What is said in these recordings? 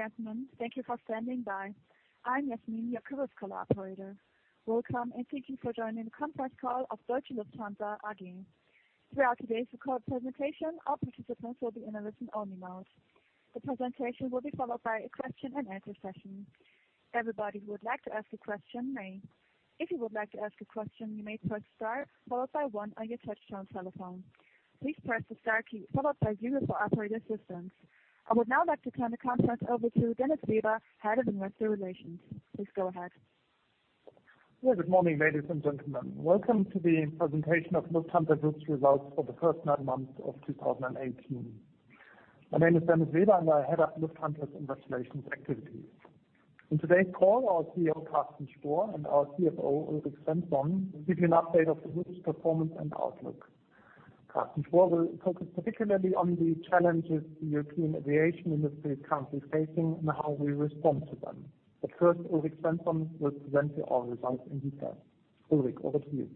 Ladies and gentlemen, thank you for standing by. I'm Yasmin, your conference call operator. Welcome and thank you for joining the conference call of Deutsche Lufthansa AG. Throughout today's recorded presentation, all participants will be in a listen-only mode. The presentation will be followed by a question-and-answer session. Everybody who would like to ask a question may. If you would like to ask a question, you may press star followed by one on your touchtone telephone. Please press the star key followed by zero for operator assistance. I would now like to turn the conference over to Dennis Weber, Head of Investor Relations. Please go ahead. Yeah. Good morning, ladies and gentlemen. Welcome to the presentation of Lufthansa Group's results for the first nine months of 2018. My name is Dennis Weber, and I'm the Head of Lufthansa's Investor Relations activities. In today's call, our CEO, Carsten Spohr, and our CFO, Ulrik Svensson, will give you an update of the Group's performance and outlook. Carsten Spohr will focus particularly on the challenges the European aviation industry is currently facing and how we respond to them. First, Ulrik Svensson will present our results in detail. Ulrik, over to you.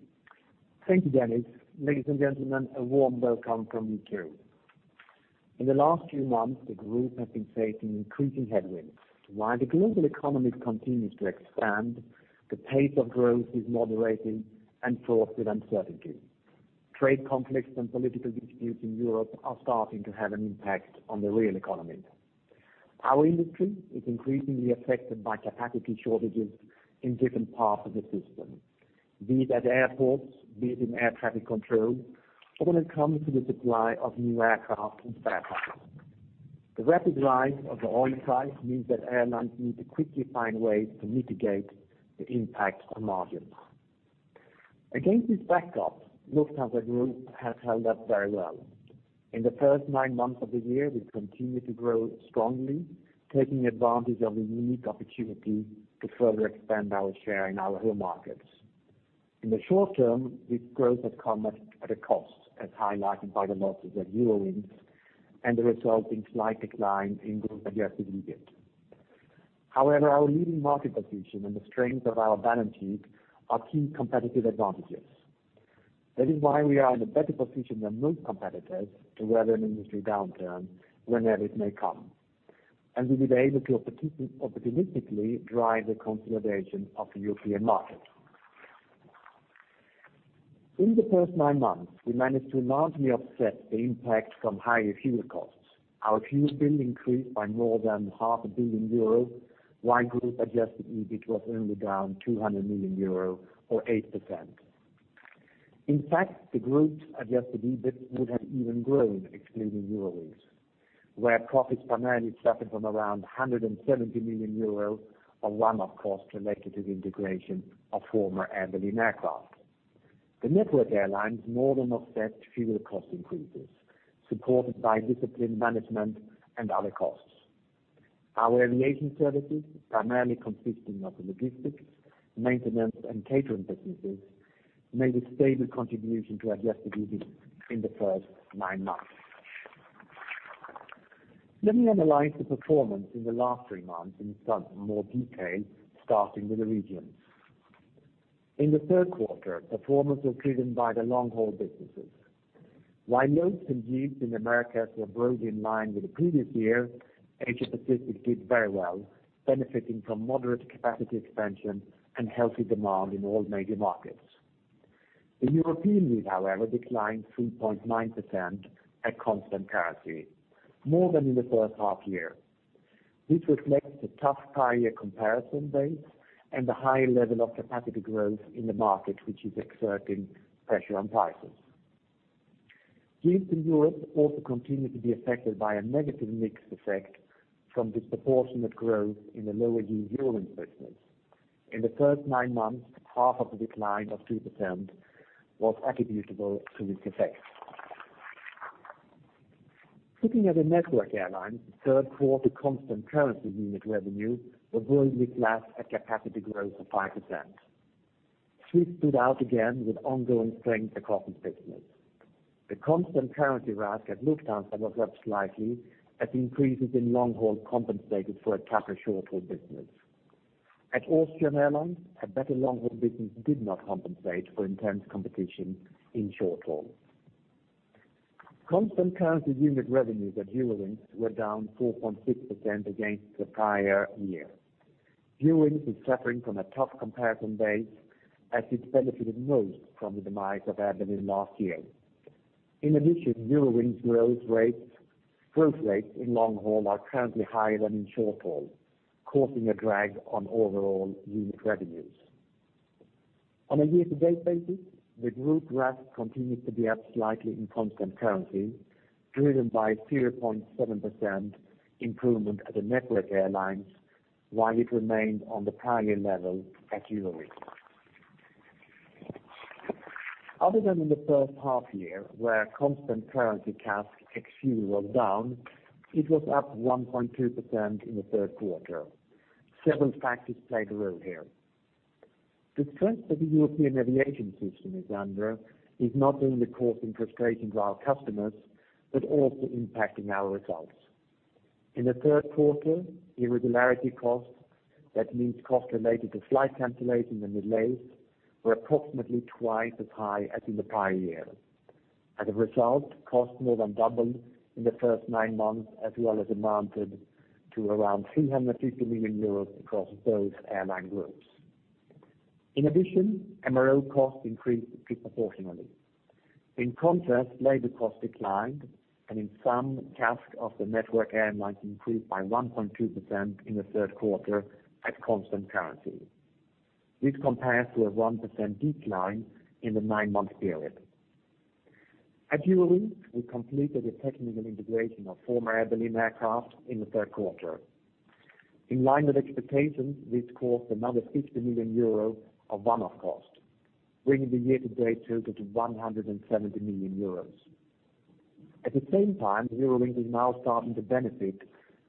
Thank you, Dennis. Ladies and gentlemen, a warm welcome from me, too. In the last few months, the Group has been facing increasing headwinds. While the global economy continues to expand, the pace of growth is moderating and fraught with uncertainty. Trade conflicts and political disputes in Europe are starting to have an impact on the real economy. Our industry is increasingly affected by capacity shortages in different parts of the system, be it at airports, be it in air traffic control, or when it comes to the supply of new aircraft and spare parts. The rapid rise of the oil price means that airlines need to quickly find ways to mitigate the impact on margins. Against this backdrop, Lufthansa Group has held up very well. In the first nine months of the year, we've continued to grow strongly, taking advantage of a unique opportunity to further expand our share in our home markets. In the short term, this growth has come at a cost, as highlighted by the losses at Eurowings and the resulting slight decline in Group adjusted EBIT. However, our leading market position and the strength of our balance sheet are key competitive advantages. That is why we are in a better position than most competitors to weather an industry downturn whenever it may come, and we'll be able to opportunistically drive the consolidation of the European market. In the first nine months, we managed to largely offset the impact from higher fuel costs. Our fuel bill increased by more than half a billion euros, while Group adjusted EBIT was only down 200 million euro or 8%. In fact, the group's adjusted EBIT would have even grown excluding Eurowings, where profits primarily suffered from around 170 million euros of one-off costs related to the integration of former Air Berlin aircraft. The network airlines more than offset fuel cost increases, supported by disciplined management and other costs. Our aviation services, primarily consisting of the logistics, maintenance, and catering businesses, made a stable contribution to adjusted EBIT in the first nine months. Let me analyze the performance in the last three months in some more detail, starting with the regions. In the third quarter, performance was driven by the long-haul businesses. While loads and yields in the Americas were broadly in line with the previous year, Asia-Pacific did very well, benefiting from moderate capacity expansion and healthy demand in all major markets. The European unit, however, declined 3.9% at constant currency, more than in the first half year. This reflects the tough prior year comparison base and the high level of capacity growth in the market, which is exerting pressure on prices. Yields in Europe also continued to be affected by a negative mix effect from disproportionate growth in the lower yield Eurowings business. In the first nine months, half of the decline of 2% was attributable to this effect. Looking at the network airlines' third quarter constant currency unit revenue was broadly flat at capacity growth of 5%. Swiss stood out again with ongoing strength across the business. The constant currency RASK at Lufthansa was up slightly as increases in long haul compensated for a tougher short-haul business. At Austrian Airlines, a better long-haul business did not compensate for intense competition in short haul. Constant currency unit revenues at Eurowings were down 4.6% against the prior year. Eurowings is suffering from a tough comparison base as it benefited most from the demise of Air Berlin last year. In addition, Eurowings growth rates in long haul are currently higher than in short haul, causing a drag on overall unit revenues. On a year-to-date basis, the group RASK continued to be up slightly in constant currency, driven by 0.7% improvement at the network airlines while it remained on the prior year level at Eurowings. Other than in the first half year, where constant currency CASK ex fuel was down, it was up 1.2% in the third quarter. Several factors played a role here. The strength of the European aviation system is not only causing frustration to our customers, but also impacting our results. In the third quarter, irregularity costs, that means costs related to flight cancellations and delays, were approximately twice as high as in the prior year. As a result, costs more than doubled in the first nine months, as well as amounted to around 350 million euros across both airline groups. In addition, MRO costs increased proportionally. In contrast, labor costs declined and in some CASK of the network airlines increased by 1.2% in the third quarter at constant currency. This compares to a 1% decline in the nine-month period. At Eurowings, we completed the technical integration of former Air Berlin aircraft in the third quarter. In line with expectations, this cost another 50 million euro of one-off cost, bringing the year-to-date total to 170 million euros. At the same time, Eurowings is now starting to benefit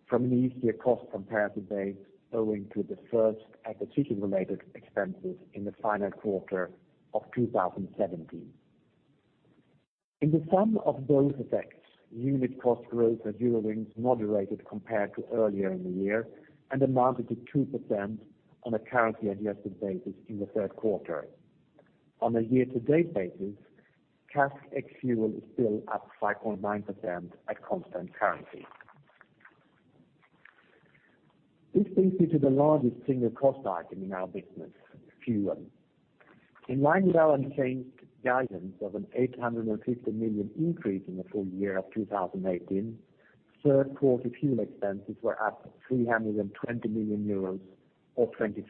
from an easier cost comparison base owing to the first acquisition-related expenses in the final quarter of 2017. In the sum of those effects, unit cost growth at Eurowings moderated compared to earlier in the year and amounted to 2% on a currency adjusted basis in the third quarter. On a year-to-date basis, CASK ex-fuel is still up 5.9% at constant currency. This brings me to the largest single cost item in our business, fuel. In line with our unchanged guidance of an 850 million increase in the full year of 2018, third quarter fuel expenses were up €320 million or 23%.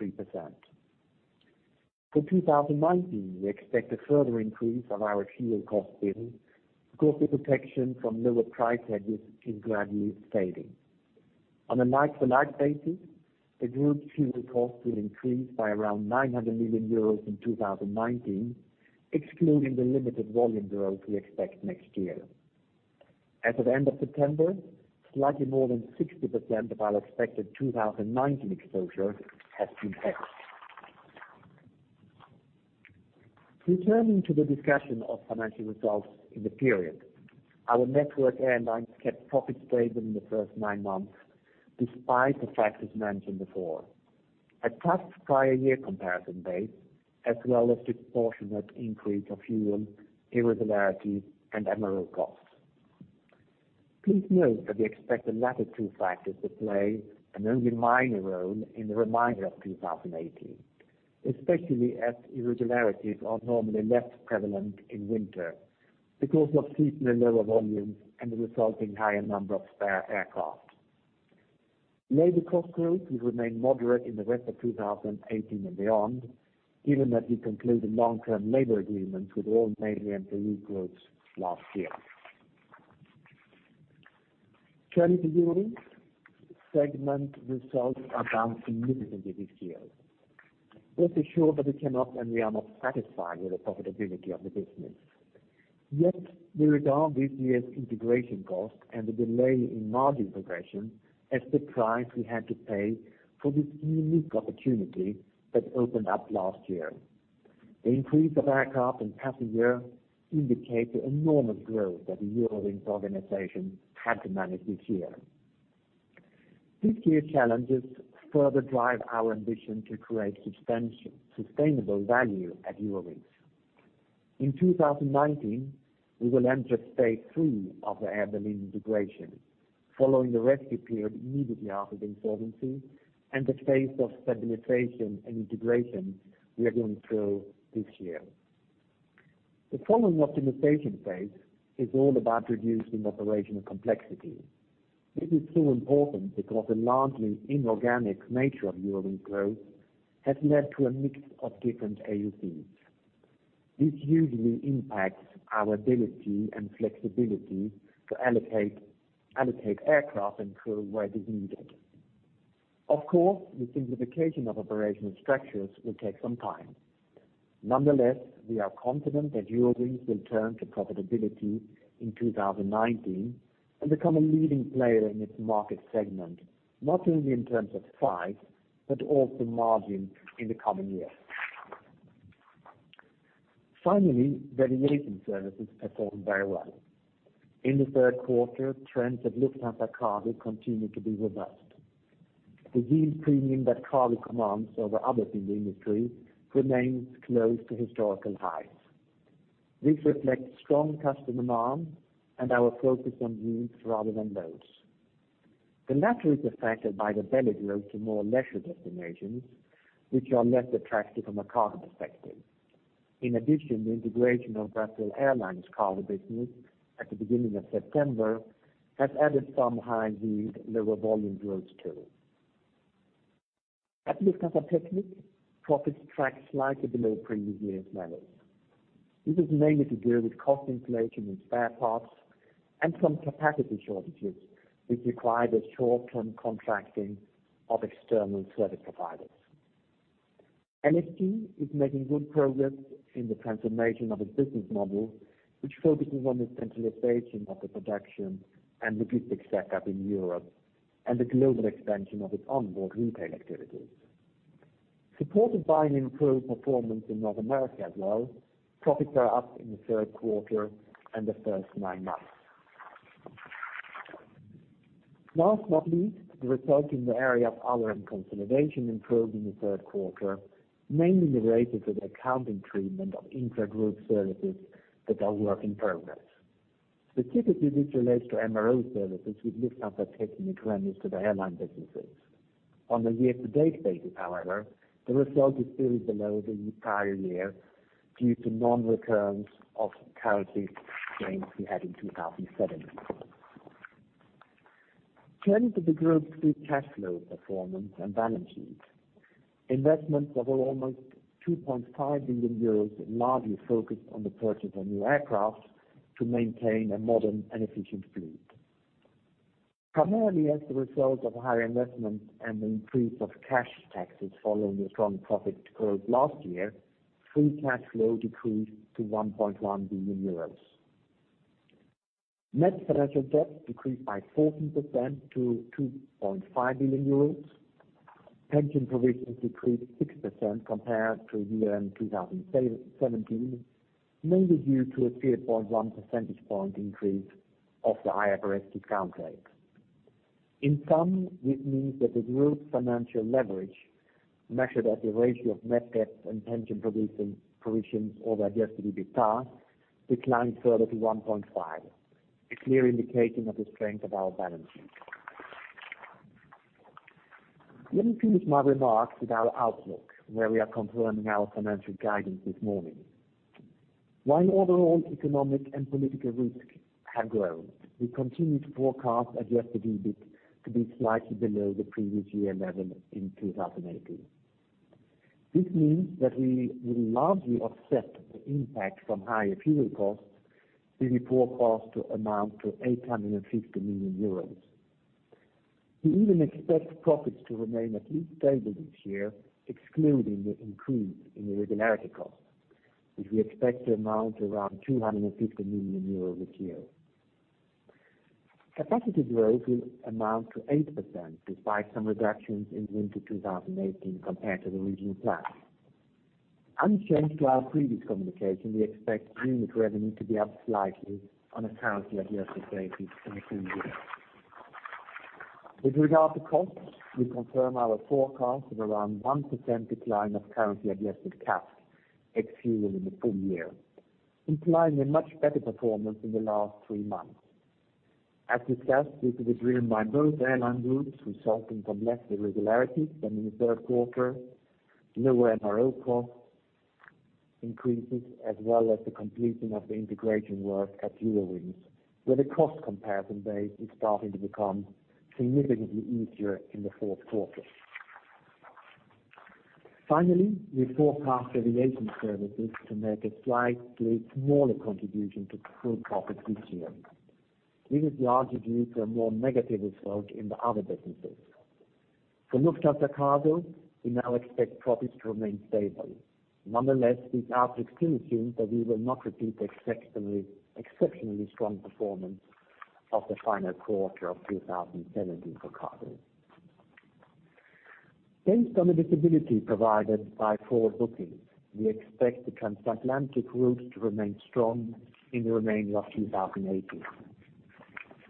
For 2019, we expect a further increase on our fuel cost base because the protection from lower price hedges is gradually fading. On a like-for-like basis, the Lufthansa Group fuel cost will increase by around €900 million in 2019, excluding the limited volume growth we expect next year. As of the end of September, slightly more than 60% of our expected 2019 exposure has been hedged. Returning to the discussion of financial results in the period, our network airlines kept profits stable in the first nine months despite the factors mentioned before. A tough prior year comparison base, as well as disproportionate increase of fuel irregularities and MRO costs. Please note that we expect the latter two factors to play an only minor role in the remainder of 2018, especially as irregularities are normally less prevalent in winter because of seasonally lower volumes and the resulting higher number of spare aircraft. Labor cost growth will remain moderate in the rest of 2018 and beyond, given that we concluded long-term labor agreements with all major employee groups last year. Turning to Eurowings, segment results are down significantly this year. Let me be sure that it cannot and we are not satisfied with the profitability of the business. Yet, we regard this year's integration cost and the delay in margin progression as the price we had to pay for this unique opportunity that opened up last year. The increase of aircraft and passenger indicate the enormous growth that the Eurowings organization had to manage this year. This year's challenges further drive our ambition to create sustainable value at Eurowings. In 2019, we will enter phase 3 of the Air Berlin integration following the rescue period immediately after the insolvency and the phase of stabilization and integration we are going through this year. The following optimization phase is all about reducing operational complexity. This is so important because the largely inorganic nature of Eurowings growth has led to a mix of different AOCs. This usually impacts our ability and flexibility to allocate aircraft and crew where it is needed. Of course, the simplification of operational structures will take some time. Nonetheless, we are confident that Eurowings will turn to profitability in 2019 and become a leading player in its market segment, not only in terms of size, but also margin in the coming years. Finally, ground services performed very well. In the third quarter, trends at Lufthansa Cargo continued to be robust. The yield premium that Cargo commands over others in the industry remains close to historical highs. This reflects strong customer demand and our focus on yields rather than loads. The latter is affected by the belly growth to more leisure destinations, which are less attractive from a cargo perspective. In addition, the integration of Brussels Airlines Cargo business at the beginning of September has added some high yield, lower volume growth too. At Lufthansa Technik, profits tracked slightly below previous year's levels. This is mainly to do with cost inflation in spare parts and some capacity shortages, which required a short-term contracting of external service providers. LFT is making good progress in the transformation of its business model, which focuses on the centralization of the production and logistics setup in Europe and the global expansion of its onboard retail activities. Supported by an improved performance in North America as well, profits are up in the third quarter and the first nine months. Last but not least, the result in the area of other and consolidation improved in the third quarter, mainly related to the accounting treatment of intra-group services that are work in progress. Specifically, this relates to MRO services with Lufthansa Technik revenues to the airline businesses. On a year-to-date basis, however, the result is still below the entire year due to non-returns of currency gains we had in 2017. Turning to the group's free cash flow performance and balance sheet. Investments of almost 2.5 billion euros, largely focused on the purchase of new aircraft to maintain a modern and efficient fleet. Primarily as the result of higher investments and an increase of cash taxes following the strong profit growth last year, free cash flow decreased to 1.1 billion euros. Net financial debt decreased by 14% to 2.5 billion euros. Pension provisions decreased 6% compared to year-end 2017, mainly due to a 3.1 percentage point increase of the IFRS discount rate. In sum, this means that the group's financial leverage, measured as a ratio of net debt and pension provisions over adjusted EBITDA, declined further to 1.5, a clear indication of the strength of our balance sheet. Let me finish my remarks with our outlook, where we are confirming our financial guidance this morning. While overall economic and political risks have grown, we continue to forecast adjusted EBIT to be slightly below the previous year level in 2018. This means that we will largely offset the impact from higher fuel costs, we forecast to amount to 850 million euros. We even expect profits to remain at least stable this year, excluding the increase in irregularity costs, which we expect to amount to around 250 million euros this year. Capacity growth will amount to 8%, despite some reductions in winter 2018 compared to the original plan. Unchanged to our previous communication, we expect unit revenue to be up slightly on a currency adjusted basis in the full year. With regard to costs, we confirm our forecast of around 1% decline of currency adjusted CASK ex fuel in the full year, implying a much better performance in the last three months. As discussed, this is driven by both airline groups resulting from less irregularities than in the third quarter, lower MRO cost increases, as well as the completing of the integration work at Eurowings, where the cost comparison base is starting to become significantly easier in the fourth quarter. Finally, we forecast aviation services to make a slightly smaller contribution to full profits this year. This is largely due to a more negative result in the other businesses. For Lufthansa Cargo, we now expect profits to remain stable. Nonetheless, these outlooks still assume that we will not repeat the exceptionally strong performance of the final quarter of 2017 for cargo. Based on the visibility provided by forward bookings, we expect the transatlantic routes to remain strong in the remainder of 2018.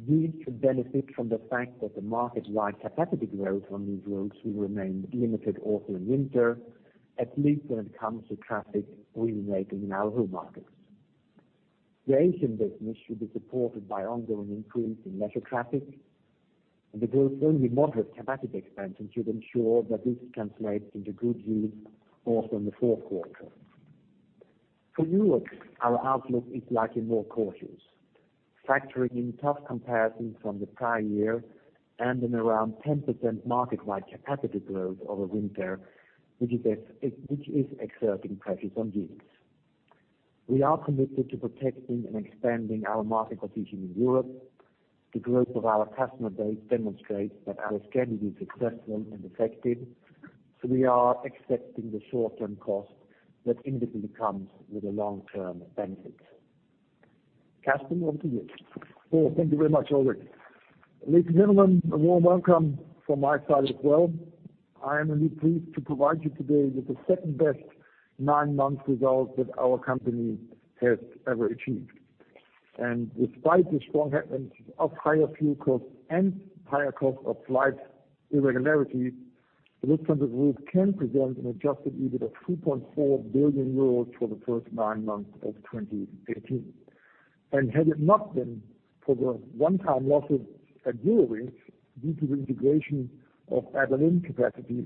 We should benefit from the fact that the market-wide capacity growth on these routes will remain limited also in winter, at least when it comes to traffic originating in our home markets. The Asian business should be supported by ongoing improvements in leisure traffic, and the group's only moderate capacity expansion should ensure that this translates into good yields also in the fourth quarter. For Europe, our outlook is likely more cautious, factoring in tough comparisons from the prior year and an around 10% market-wide capacity growth over winter, which is exerting pressures on units. We are committed to protecting and expanding our market position in Europe. The growth of our customer base demonstrates that our strategy is successful and effective, so we are accepting the short-term cost that inevitably comes with the long-term benefits. Carsten, over to you. Oh, thank you very much, Ulrik. Ladies and gentlemen, a warm welcome from my side as well. I am only pleased to provide you today with the second-best nine-month result that our company has ever achieved. Despite the strong headwinds of higher fuel costs and higher cost of flight irregularities, the Lufthansa Group can present an adjusted EBIT of 2.4 billion euros for the first nine months of 2018. Had it not been for the one-time losses at Eurowings due to the integration of Air Berlin capacities,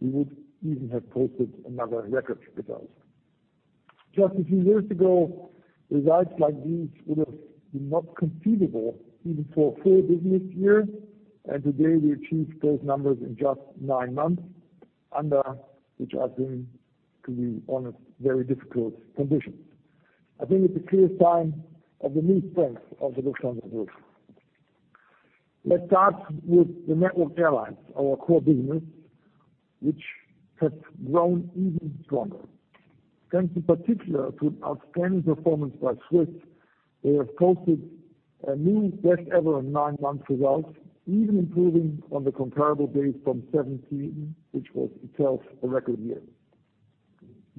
we would even have posted another record result. Just a few years ago, results like these would have been not conceivable even for a full business year, and today we achieved those numbers in just nine months, under which I've been, to be honest, very difficult conditions. I think it's a clear sign of the new strength of the Lufthansa Group. Let's start with the network airlines, our core business, which has grown even stronger. Thanks in particular to outstanding performance by Swiss, they have posted a new best ever nine-month result, even improving on the comparable base from 2017, which was itself a record year.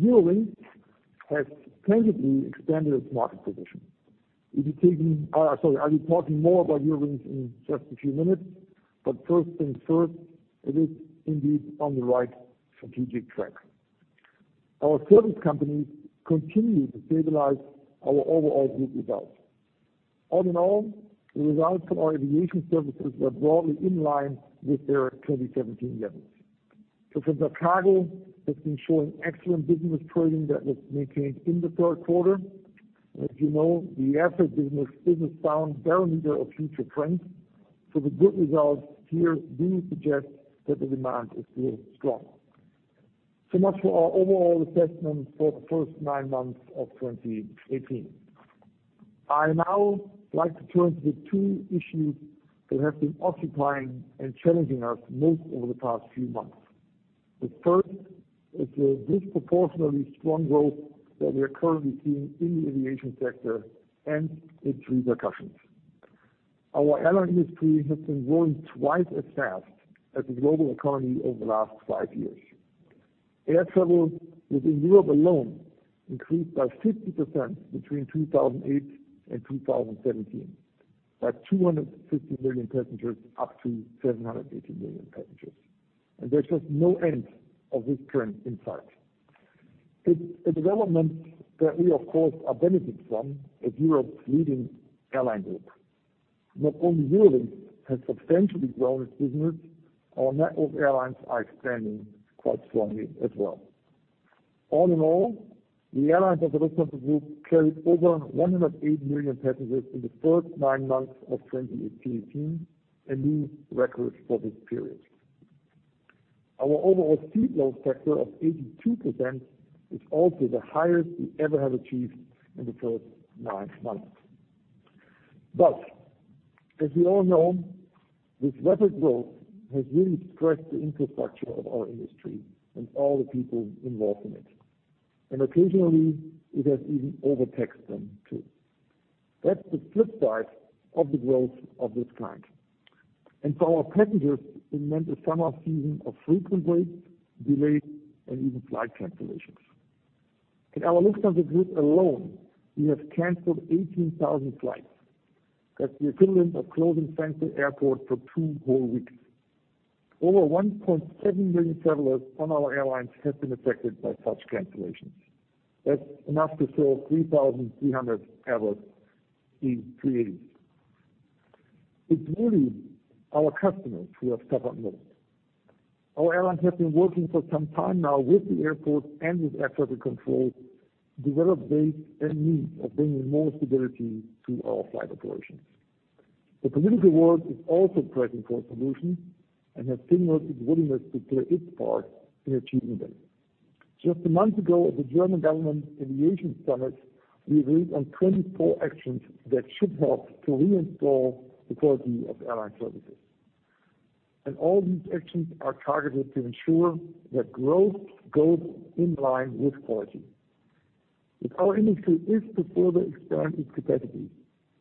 Eurowings has tangibly expanded its market position. I'll be talking more about Eurowings in just a few minutes, but first things first, it is indeed on the right strategic track. Our service companies continue to stabilize our overall group results. All in all, the results from our aviation services were broadly in line with their 2017 levels. Lufthansa Cargo has been showing excellent business trending that was maintained in the third quarter. As you know, the airfreight business is a sound barometer of future trends, so the good results here do suggest that the demand is still strong. So much for our overall assessment for the first nine months of 2018. I now like to turn to the two issues that have been occupying and challenging us most over the past few months. The first is the disproportionately strong growth that we are currently seeing in the aviation sector and its repercussions. Our airline industry has been growing twice as fast as the global economy over the last five years. Air travel within Europe alone increased by 50% between 2008 and 2017. That's 250 million passengers up to 780 million passengers. There's just no end of this trend in sight. It's a development that we, of course, are benefiting from as Europe's leading airline group. Not only Eurowings has substantially grown its business, our network of airlines are expanding quite strongly as well. All in all, the airlines of the Lufthansa Group carried over 108 million passengers in the first nine months of 2018, a new record for this period. Our overall seat load factor of 82% is also the highest we ever have achieved in the first nine months. As we all know, this rapid growth has really stretched the infrastructure of our industry and all the people involved in it, and occasionally it has even overtaxed them, too. That's the flip side of the growth of this kind. For our passengers, it meant a summer season of frequent waits, delays, and even flight cancellations. In our Lufthansa Group alone, we have canceled 18,000 flights. That's the equivalent of closing Frankfurt Airport for two whole weeks. Over 1.7 million travelers on our airlines have been affected by such cancellations. That's enough to fill 3,300 Airbus A380s. It's really our customers who have suffered most. Our airlines have been working for some time now with the airport and with air traffic control to develop ways and means of bringing more stability to our flight operations. The political world is also pressing for a solution and has signaled its willingness to play its part in achieving this. Just a month ago at the German Government Aviation Summit, we agreed on 24 actions that should help to reinstall the quality of airline services. All these actions are targeted to ensure that growth goes in line with quality. If our industry is to further expand its capacity,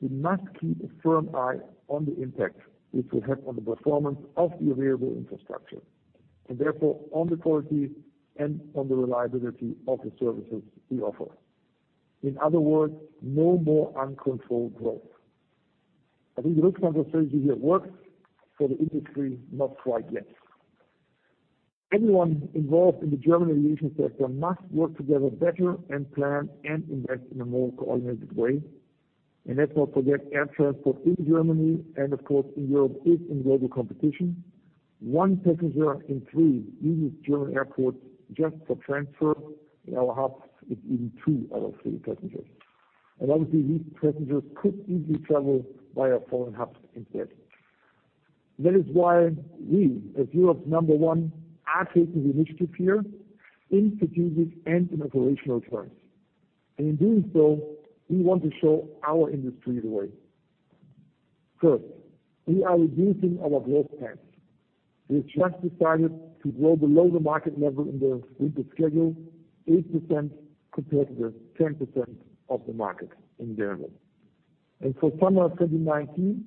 we must keep a firm eye on the impact this will have on the performance of the available infrastructure, and therefore on the quality and on the reliability of the services we offer. In other words, no more uncontrolled growth. I think the Lufthansa strategy here works for the industry, not quite yet. Everyone involved in the German aviation sector must work together better and plan and invest in a more coordinated way. Let's not forget, air transport in Germany and of course in Europe is in global competition. One passenger in three uses German airports just for transfer. In our hubs, it's even two out of three passengers. Obviously, these passengers could easily travel via foreign hubs instead. That is why we, as Europe's number one, are taking the initiative here in strategic and in operational terms. In doing so, we want to show our industry the way. First, we are reducing our growth plans. We have just decided to grow below the market level in the winter schedule, 8% compared to the 10% of the market in general. For summer 2019,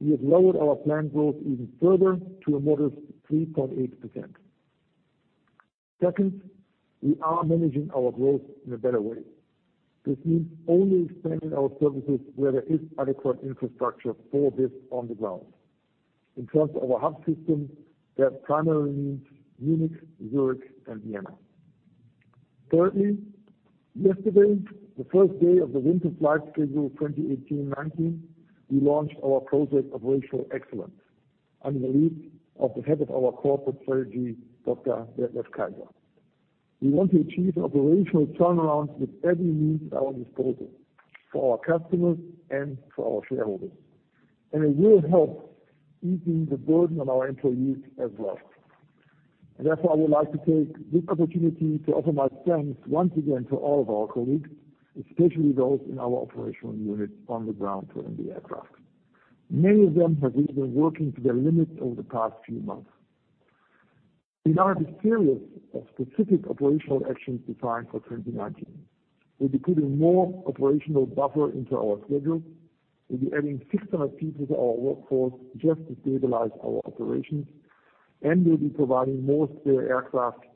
we have lowered our planned growth even further to a modest 3.8%. Second, we are managing our growth in a better way. This means only expanding our services where there is adequate infrastructure for this on the ground. In terms of our hub system, that primarily means Munich, Zurich, and Vienna. Thirdly, yesterday, the first day of the winter flight schedule 2018/19, we launched our project Operational Excellence under the lead of the head of our corporate strategy, Dr. Detlef Kayser. We want to achieve an operational turnaround with every means at our disposal for our customers and for our shareholders. It will help easing the burden on our employees as well. Therefore, I would like to take this opportunity to offer my thanks once again to all of our colleagues, especially those in our operational units on the ground and in the aircraft. Many of them have really been working to their limits over the past few months. Regarding the series of specific operational actions defined for 2019. We'll be putting more operational buffer into our schedule. We'll be adding 600 people to our workforce just to stabilize our operations, and we'll be providing more spare aircraft,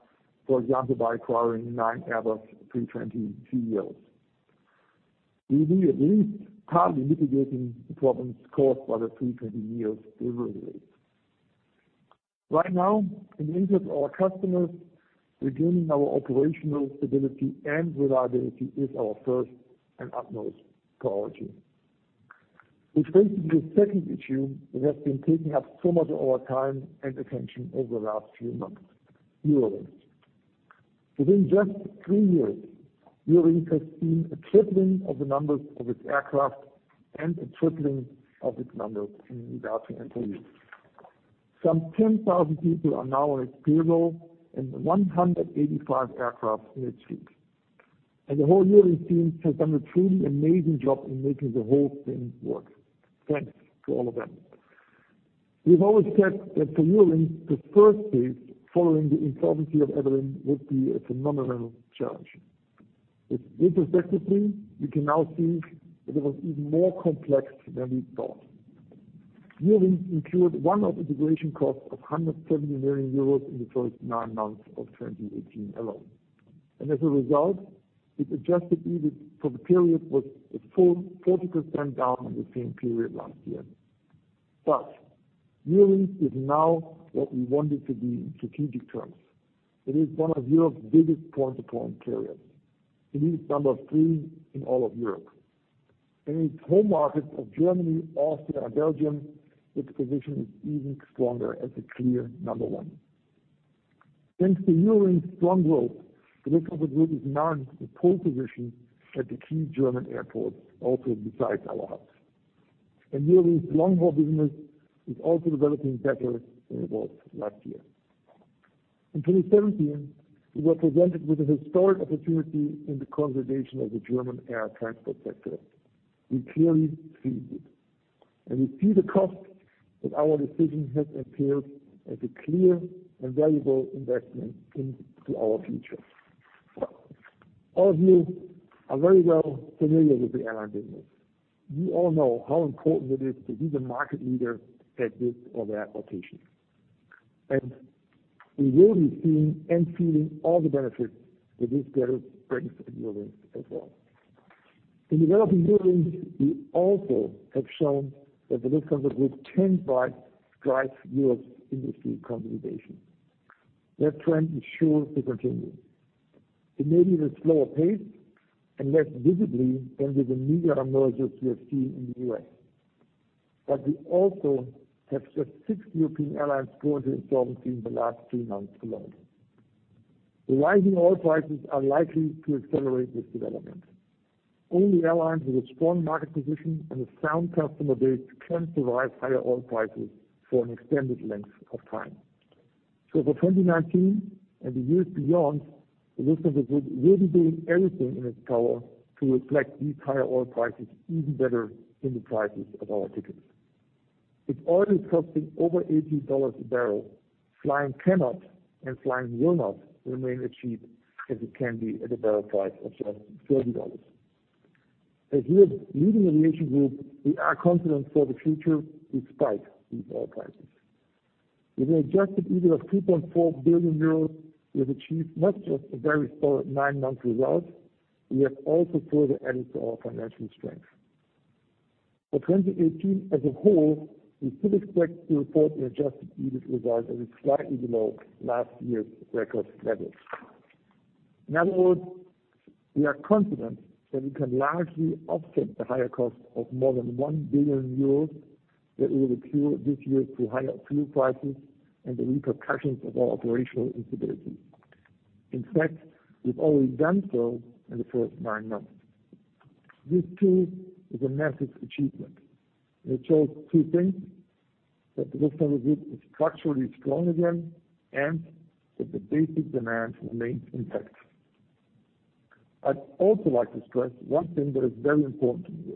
for example, by acquiring nine Airbus A320ceo. We will be at least partly mitigating the problems caused by the A320neos delivery rates. Right now, in the interest of our customers, regaining our operational stability and reliability is our first and utmost priority. We face the second issue that has been taking up so much of our time and attention over the last few months, Eurowings. Within just three years, Eurowings has seen a tripling of the numbers of its aircraft and a tripling of its number in regards to employees. Some 10,000 people are now on its payroll and 185 aircraft in its fleet. The whole Eurowings team has done a truly amazing job in making the whole thing work. Thanks to all of them. We've always said that for Eurowings, the first phase following the insolvency of Air Berlin would be a phenomenal challenge. Retrospectively, we can now see that it was even more complex than we thought. Eurowings incurred one-off integration costs of 170 million euros in the first nine months of 2018 alone. As a result, its adjusted EBIT for the period was a full 40% down on the same period last year. Eurowings is now what we want it to be in strategic terms. It is one of Europe's biggest point-to-point carriers. It is number 3 in all of Europe. In its home market of Germany, Austria, and Belgium, its position is even stronger as a clear number 1. Thanks to Eurowings strong growth, the Lufthansa Group is now in the pole position at the key German airports also besides our hubs. Eurowings long-haul business is also developing better than it was last year. In 2017, we were presented with a historic opportunity in the consolidation of the German air transport sector. We clearly seized it, and we see the cost that our decision has entailed as a clear and valuable investment into our future. All of you are very well familiar with the airline business. You all know how important it is to be the market leader at this or that location. We will be seeing and feeling all the benefits that this better position brings to Eurowings as well. In developing Eurowings, we also have shown that the Lufthansa Group can drive Europe's industry consolidation. That trend is sure to continue. It may be at a slower pace and less visibly than with the mega mergers we have seen in the U.S. We also have just six European airlines going into insolvency in the last three months alone. The rising oil prices are likely to accelerate this development. Only airlines with a strong market position and a sound customer base can survive higher oil prices for an extended length of time. For 2019 and the years beyond, the Lufthansa Group will be doing everything in its power to reflect these higher oil prices even better in the prices of our tickets. With oil costing over $80 a barrel, flying cannot and flying will not remain as cheap as it can be at a barrel price of just $30. As Europe's leading aviation group, we are confident for the future despite these oil prices. With an adjusted EBIT of 2.4 billion euros, we have achieved not just a very solid nine-month result, we have also further added to our financial strength. For 2018 as a whole, we still expect to report an adjusted EBIT result that is slightly below last year's record levels. In other words, we are confident that we can largely offset the higher cost of more than 1 billion euros that will accrue this year through higher fuel prices and the repercussions of our operational instability. In fact, we've already done so in the first nine months. This too is a massive achievement, and it shows two things, that the Lufthansa Group is structurally strong again, and that the basic demand remains intact. I'd also like to stress one thing that is very important to me.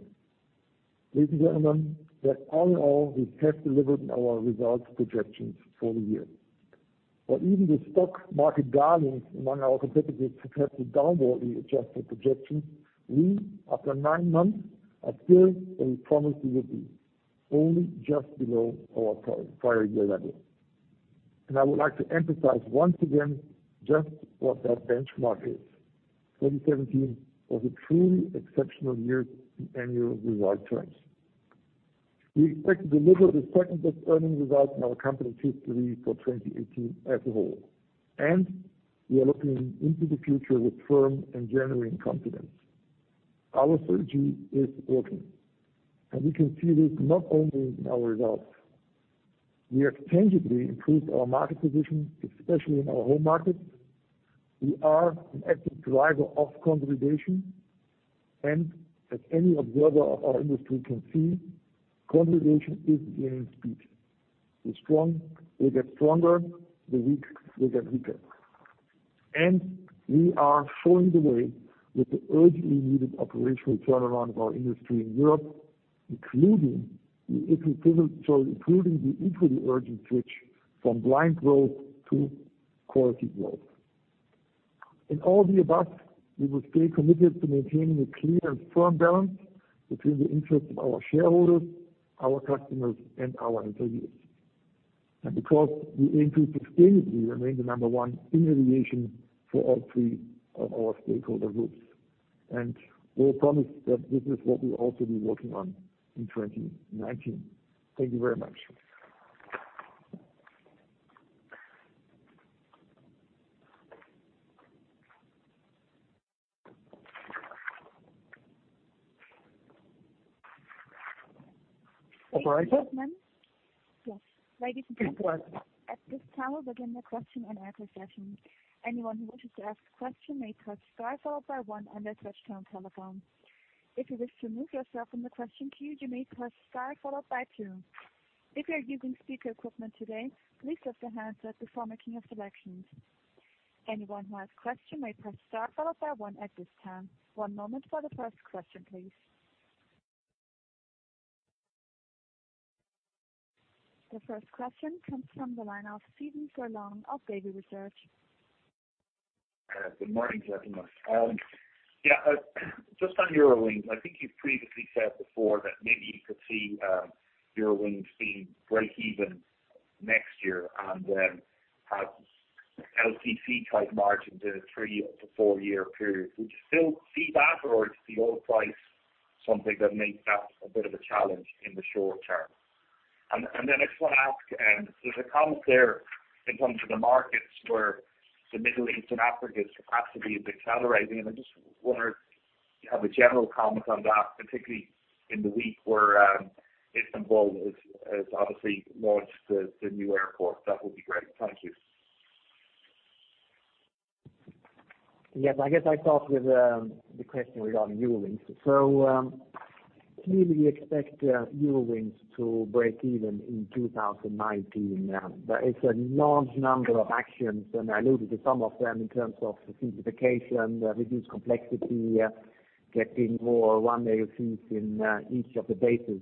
Ladies and gentlemen, that all in all, we have delivered on our results projections for the year. While even the stock market darlings among our competitors have had to downwardly adjust their projections, we, after nine months, are still where we promised we would be, only just below our prior year level. I would like to emphasize once again just what that benchmark is. 2017 was a truly exceptional year in annual result terms. We expect to deliver the second-best earnings result in our company's history for 2018 as a whole, and we are looking into the future with firm and genuine confidence. Our strategy is working, and we can see this not only in our results. We have tangibly improved our market position, especially in our home markets. We are an active driver of consolidation, and as any observer of our industry can see, consolidation is gaining speed. The strong will get stronger, the weak will get weaker. We are showing the way with the urgently needed operational turnaround of our industry in Europe, including the equally urgent switch from blind growth to quality growth. In all the above, we will stay committed to maintaining a clear and firm balance between the interests of our shareholders, our customers, and our employees. Because we aim to sustainably remain the number 1 in aviation for all three of our stakeholder groups. We promise that this is what we'll also be working on in 2019. Thank you very much. Operator? Yes. Ladies and gentlemen at this time, we'll begin the question and answer session. Anyone who wishes to ask a question may press star followed by one on their touchtone telephone. If you wish to remove yourself from the question queue, you may press star followed by two. If you are using speaker equipment today, please lift the handset before making your selections. Anyone who has a question may press star followed by one at this time. One moment for the first question, please. The first question comes from the line of Stephen Furlong of Davy Research. Good morning, gentlemen. Just on Eurowings, I think you've previously said before that maybe you could see Eurowings being breakeven next year and then have LCC type margins in a three up to four-year period. Would you still see that, or is the oil price something that makes that a bit of a challenge in the short term? I just want to ask, there's a comment there in terms of the markets where the Middle East and Africa's capacity has been accelerating, and I just wonder if you have a general comment on that, particularly in the week where Istanbul has obviously launched the new airport. That would be great. Thank you. Yes, I guess I'll start with the question regarding Eurowings. Clearly we expect Eurowings to break even in 2019. There is a large number of actions, I alluded to some of them in terms of simplification, reduced complexity, getting more one-way seats in each of the bases.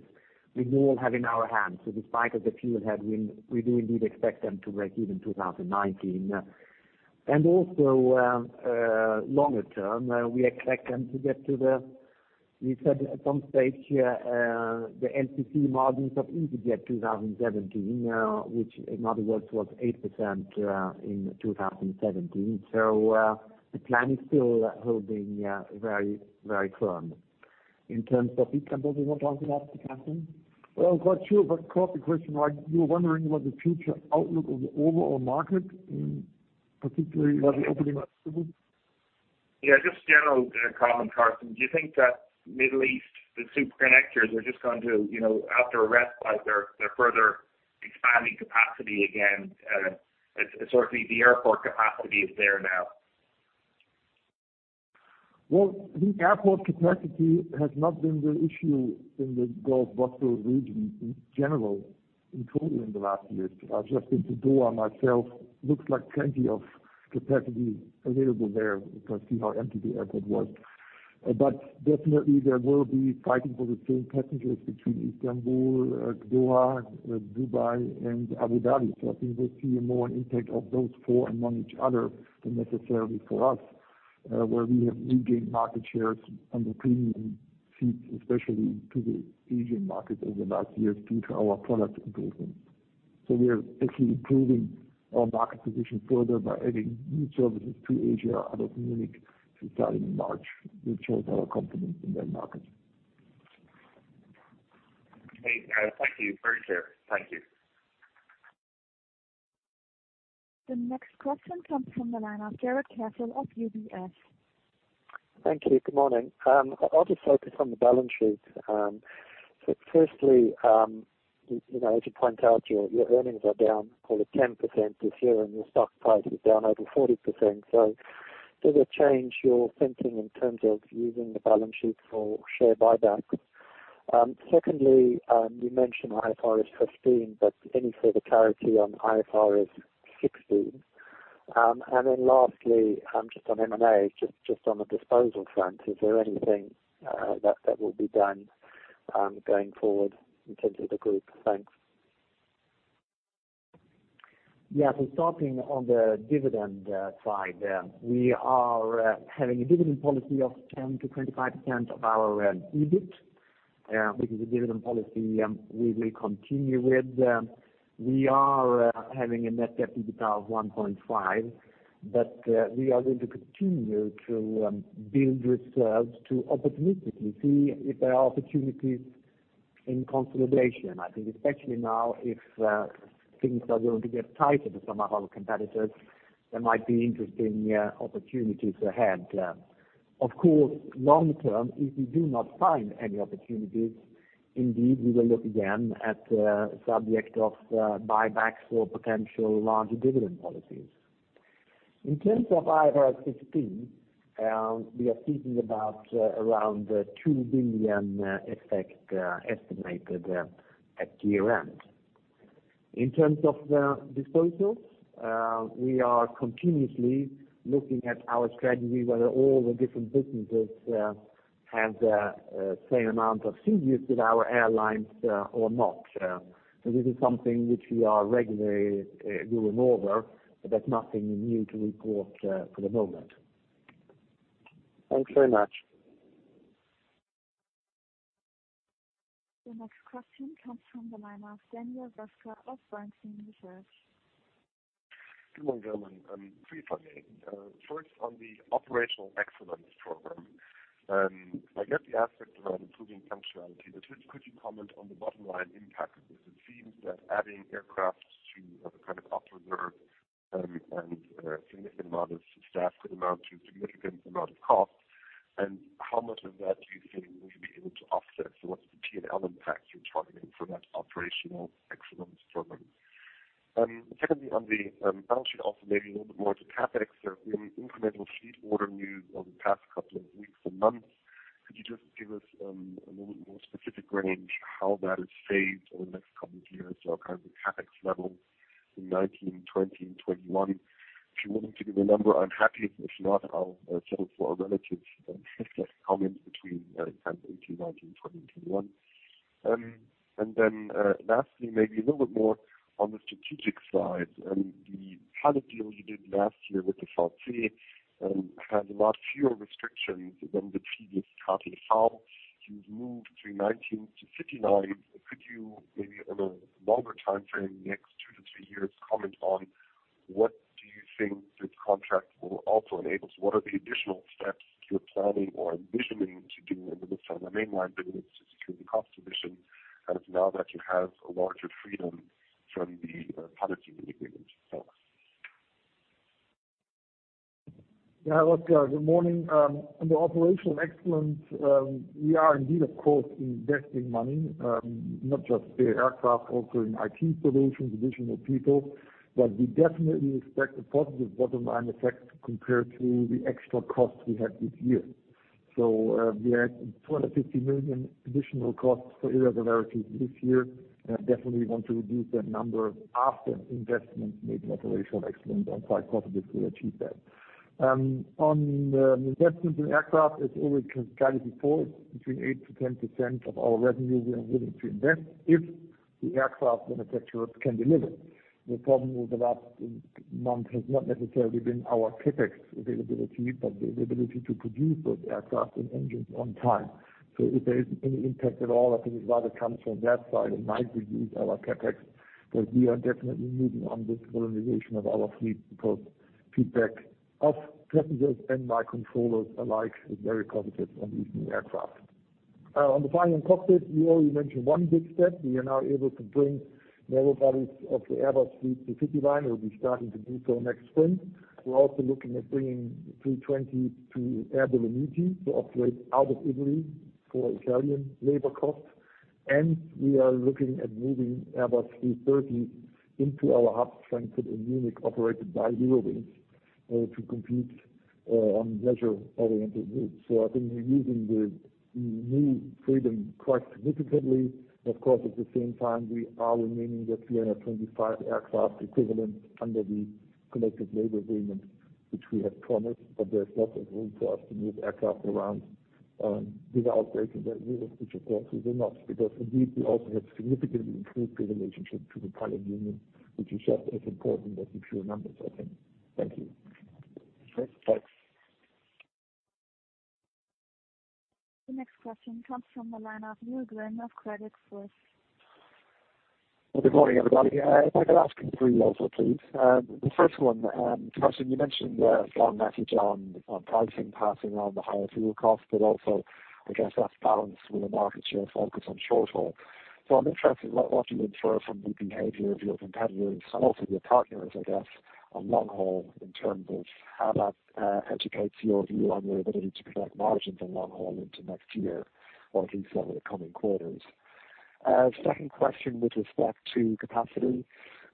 We all have in our hands. Despite of the fuel headwind, we do indeed expect them to break even 2019. Longer term, we expect them to get We said at some stage, the LCC margins of EasyJet 2017, which in other words, was 8% in 2017. The plan is still holding very firm. In terms of Istanbul you want to add to that, Carsten? Well, sure, of course, the question like you were wondering about the future outlook of the overall market, particularly about the opening up of Istanbul. Yeah, just general comment, Carsten. Do you think that Middle East, the super connectors are just going to, after a respite, they're further expanding capacity again, certainly the airport capacity is there now. Well, the airport capacity has not been the issue in the Gulf region in general, in total in the last years. I've just been to Doha myself. Looks like plenty of capacity available there. You can see how empty the airport was. Definitely there will be fighting for the same passengers between Istanbul, Doha, Dubai, and Abu Dhabi. I think we'll see more an impact of those four among each other than necessarily for us, where we have regained market shares on the premium seats, especially to the Asian market over the last years due to our product improvement. We are actually improving our market position further by adding new services to Asia out of Munich starting in March, which shows our confidence in that market. Okay. Thank you. Very clear. Thank you. The next question comes from the line of Jarrod Castle of UBS. Thank you. Good morning. I will just focus on the balance sheet. Firstly, as you point out, your earnings are down call it 10% this year and your stock price is down over 40%. Does it change your thinking in terms of using the balance sheet for share buyback? Secondly, you mentioned IFRS 15, any further clarity on IFRS 16? Lastly, just on M&A, just on the disposal front, is there anything that will be done going forward in terms of the group? Thanks. Starting on the dividend side. We are having a dividend policy of 10%-25% of our EBIT, which is a dividend policy we will continue with. We are having a net debt EBITDA of 1.5. We are going to continue to build reserves to opportunistically see if there are opportunities in consolidation. I think especially now if things are going to get tighter for some of our competitors, there might be interesting opportunities ahead. Of course, long term, if we do not find any opportunities, indeed, we will look again at subject of buybacks for potential larger dividend policies. In terms of IFRS 16, we are thinking about around 2 billion effect estimated at year-end. In terms of the disposals, we are continuously looking at our strategy whether all the different businesses have the same amount of synergies with our airlines or not. This is something which we are regularly going over, there is nothing new to report for the moment. Thanks very much. The next question comes from the line of Daniel Röska of Bernstein Research. Good morning, gentlemen. Three for me. First, on the Operational Excellence program, I get the aspect around improving punctuality, but could you comment on the bottom line impact of this? It seems that adding aircraft to the kind of up reserve and significant amount of staff could amount to significant amount of cost. How much of that do you think we'll be able to offset? What's the P&L impact you're targeting for that Operational Excellence program? Secondly, on the balance sheet, also maybe a little bit more to CapEx. There have been incremental fleet order news over the past couple of weeks and months. Could you just give us a little bit more specific range how that is phased over the next couple of years, so kind of the CapEx levels in 2019, 2020, and 2021? If you're willing to give a number, I'm happy. If not, I'll settle for a relative comment between kind of 2018, 2019, 2020, and 2021. Lastly, maybe a little bit more on the strategic side. The pilot deal you did last year with the VC had a lot fewer restrictions than the previous treaty. How you've moved to 19 to 59, could you maybe on a longer timeframe, next two to three years, comment on what do you think this contract will also enable? What are the additional steps you're planning or envisioning to do in the Lufthansa mainline business to secure the cost position as now that you have a larger freedom from the pilot union agreement? Thanks. Röska, good morning. On the Operational Excellence, we are indeed, of course, investing money. Not just aircraft, also in IT solutions, additional people. We definitely expect a positive bottom-line effect compared to the extra costs we had this year. We had 250 million additional costs for irregularities this year, and definitely want to reduce that number after investments made in Operational Excellence and quite positive to achieve that. On investments in aircraft, as already guided before, between 8%-10% of our revenue we are willing to invest if the aircraft manufacturers can deliver. The problem over the last month has not necessarily been our CapEx availability, but the ability to produce those aircraft and engines on time. If there is any impact at all, I think it rather comes from that side and might reduce our CapEx. We are definitely moving on this modernization of our fleet because feedback of passengers and by controllers alike is very positive on these new aircraft. On the Vereinigung Cockpit, you already mentioned one big step. We are now able to bring narrow bodies of the Airbus fleet to 59. We will be starting to do so next spring. We are also looking at bringing A320 to Air Dolomiti to operate out of Italy for Italian labor cost. We are looking at moving Airbus A330 into our hubs, Frankfurt and Munich, operated by Eurowings to compete on leisure-oriented routes. I think we are using the new freedom quite significantly. At the same time, we are remaining that we are at 25 aircraft equivalent under the collective labor agreement, which we have promised. There is lots of room for us to move aircraft around without breaking that rule, which we will not, because indeed, we also have significantly improved the relationship to the pilot union, which is just as important as the pure numbers, I think. Thank you. Thanks. The next question comes from the line of Neil Glynn of Credit Suisse. Good morning, everybody. If I could ask three also, please. The first one, Carsten, you mentioned a strong message on pricing passing on the higher fuel costs, also I guess that's balanced with a market share focus on short haul. I'm interested what you infer from the behavior of your competitors and also your partners, I guess, on long haul in terms of how that educates your view on your ability to protect margins on long haul into next year, or at least over the coming quarters. Second question with respect to capacity.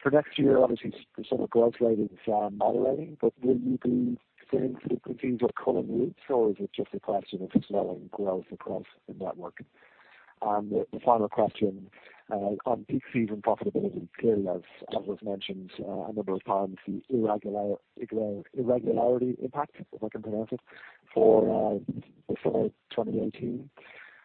For next year, obviously summer growth rate is moderating, will you be saying to the colleagues what color routes, or is it just a question of slowing growth across the network? The final question on peak season profitability. Clearly, as was mentioned a number of times, the irregularity impact, if I can pronounce it, for summer 2018.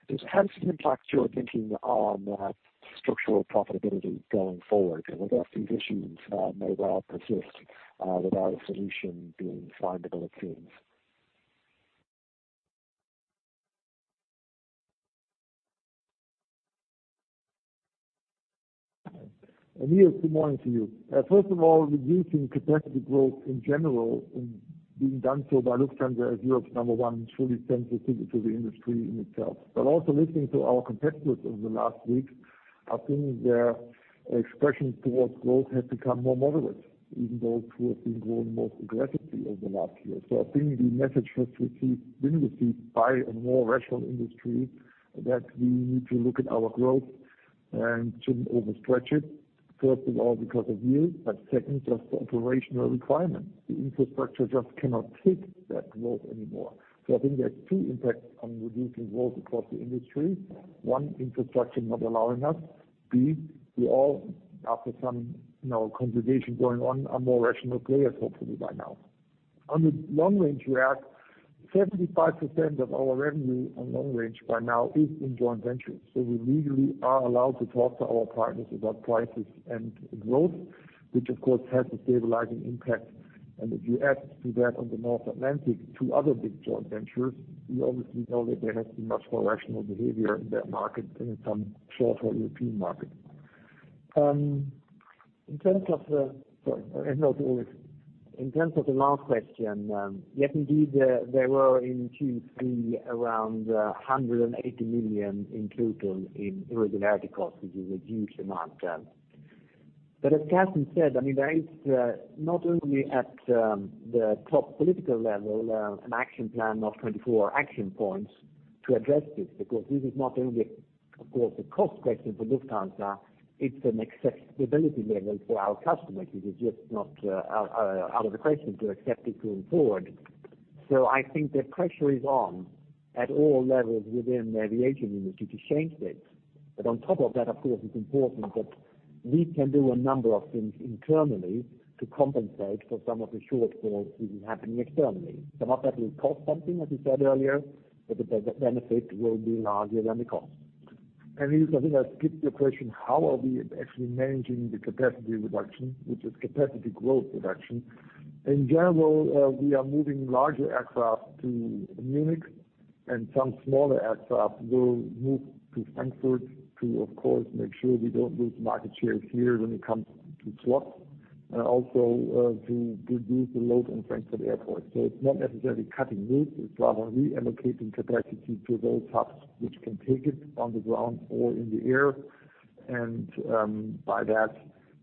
Just how does it impact your thinking on structural profitability going forward? I guess these issues may well persist without a solution being found, it seems. Neil, good morning to you. First of all, reducing capacity growth in general and being done so by Lufthansa as Europe's number one surely sends a signal to the industry in itself. Also listening to our competitors over the last week, I think their expression towards growth has become more moderate, even those who have been growing most aggressively over the last year. I think the message has been received by a more rational industry that we need to look at our growth and shouldn't overstretch it, first of all, because of you, second, just the operational requirement. The infrastructure just cannot take that growth anymore. I think there's two impacts on reducing growth across the industry. One, infrastructure not allowing us. B, we all, after some conversation going on, are more rational players, hopefully by now. On the long range, we are at 75% of our revenue on long range by now is in joint ventures. We legally are allowed to talk to our partners about prices and growth, which of course has a stabilizing impact. If you add to that on the North Atlantic two other big joint ventures, we obviously know that there has been much more rational behavior in that market than in some short-haul European markets. In terms of the last question, yes indeed, there were in Q3 around 180 million in total in irregularity costs, which is a huge amount. As Carsten said, there is not only at the top political level an action plan of 24 action points to address this, because this is not only, of course, a cost question for Lufthansa, it's an accessibility level for our customers. It is just not out of the question to accept it going forward. I think the pressure is on at all levels within the aviation industry to change this. On top of that, of course, it's important that we can do a number of things internally to compensate for some of the shortfalls which are happening externally. Some of that will cost something, as we said earlier, but the benefit will be larger than the cost. I think I skipped your question, how are we actually managing the capacity reduction, which is capacity growth reduction? In general, we are moving larger aircraft to Munich and some smaller aircraft will move to Frankfurt to, of course, make sure we don't lose market shares here when it comes to slots and also to reduce the load on Frankfurt Airport. It's not necessarily cutting routes, it's rather reallocating capacity to those hubs which can take it on the ground or in the air. By that,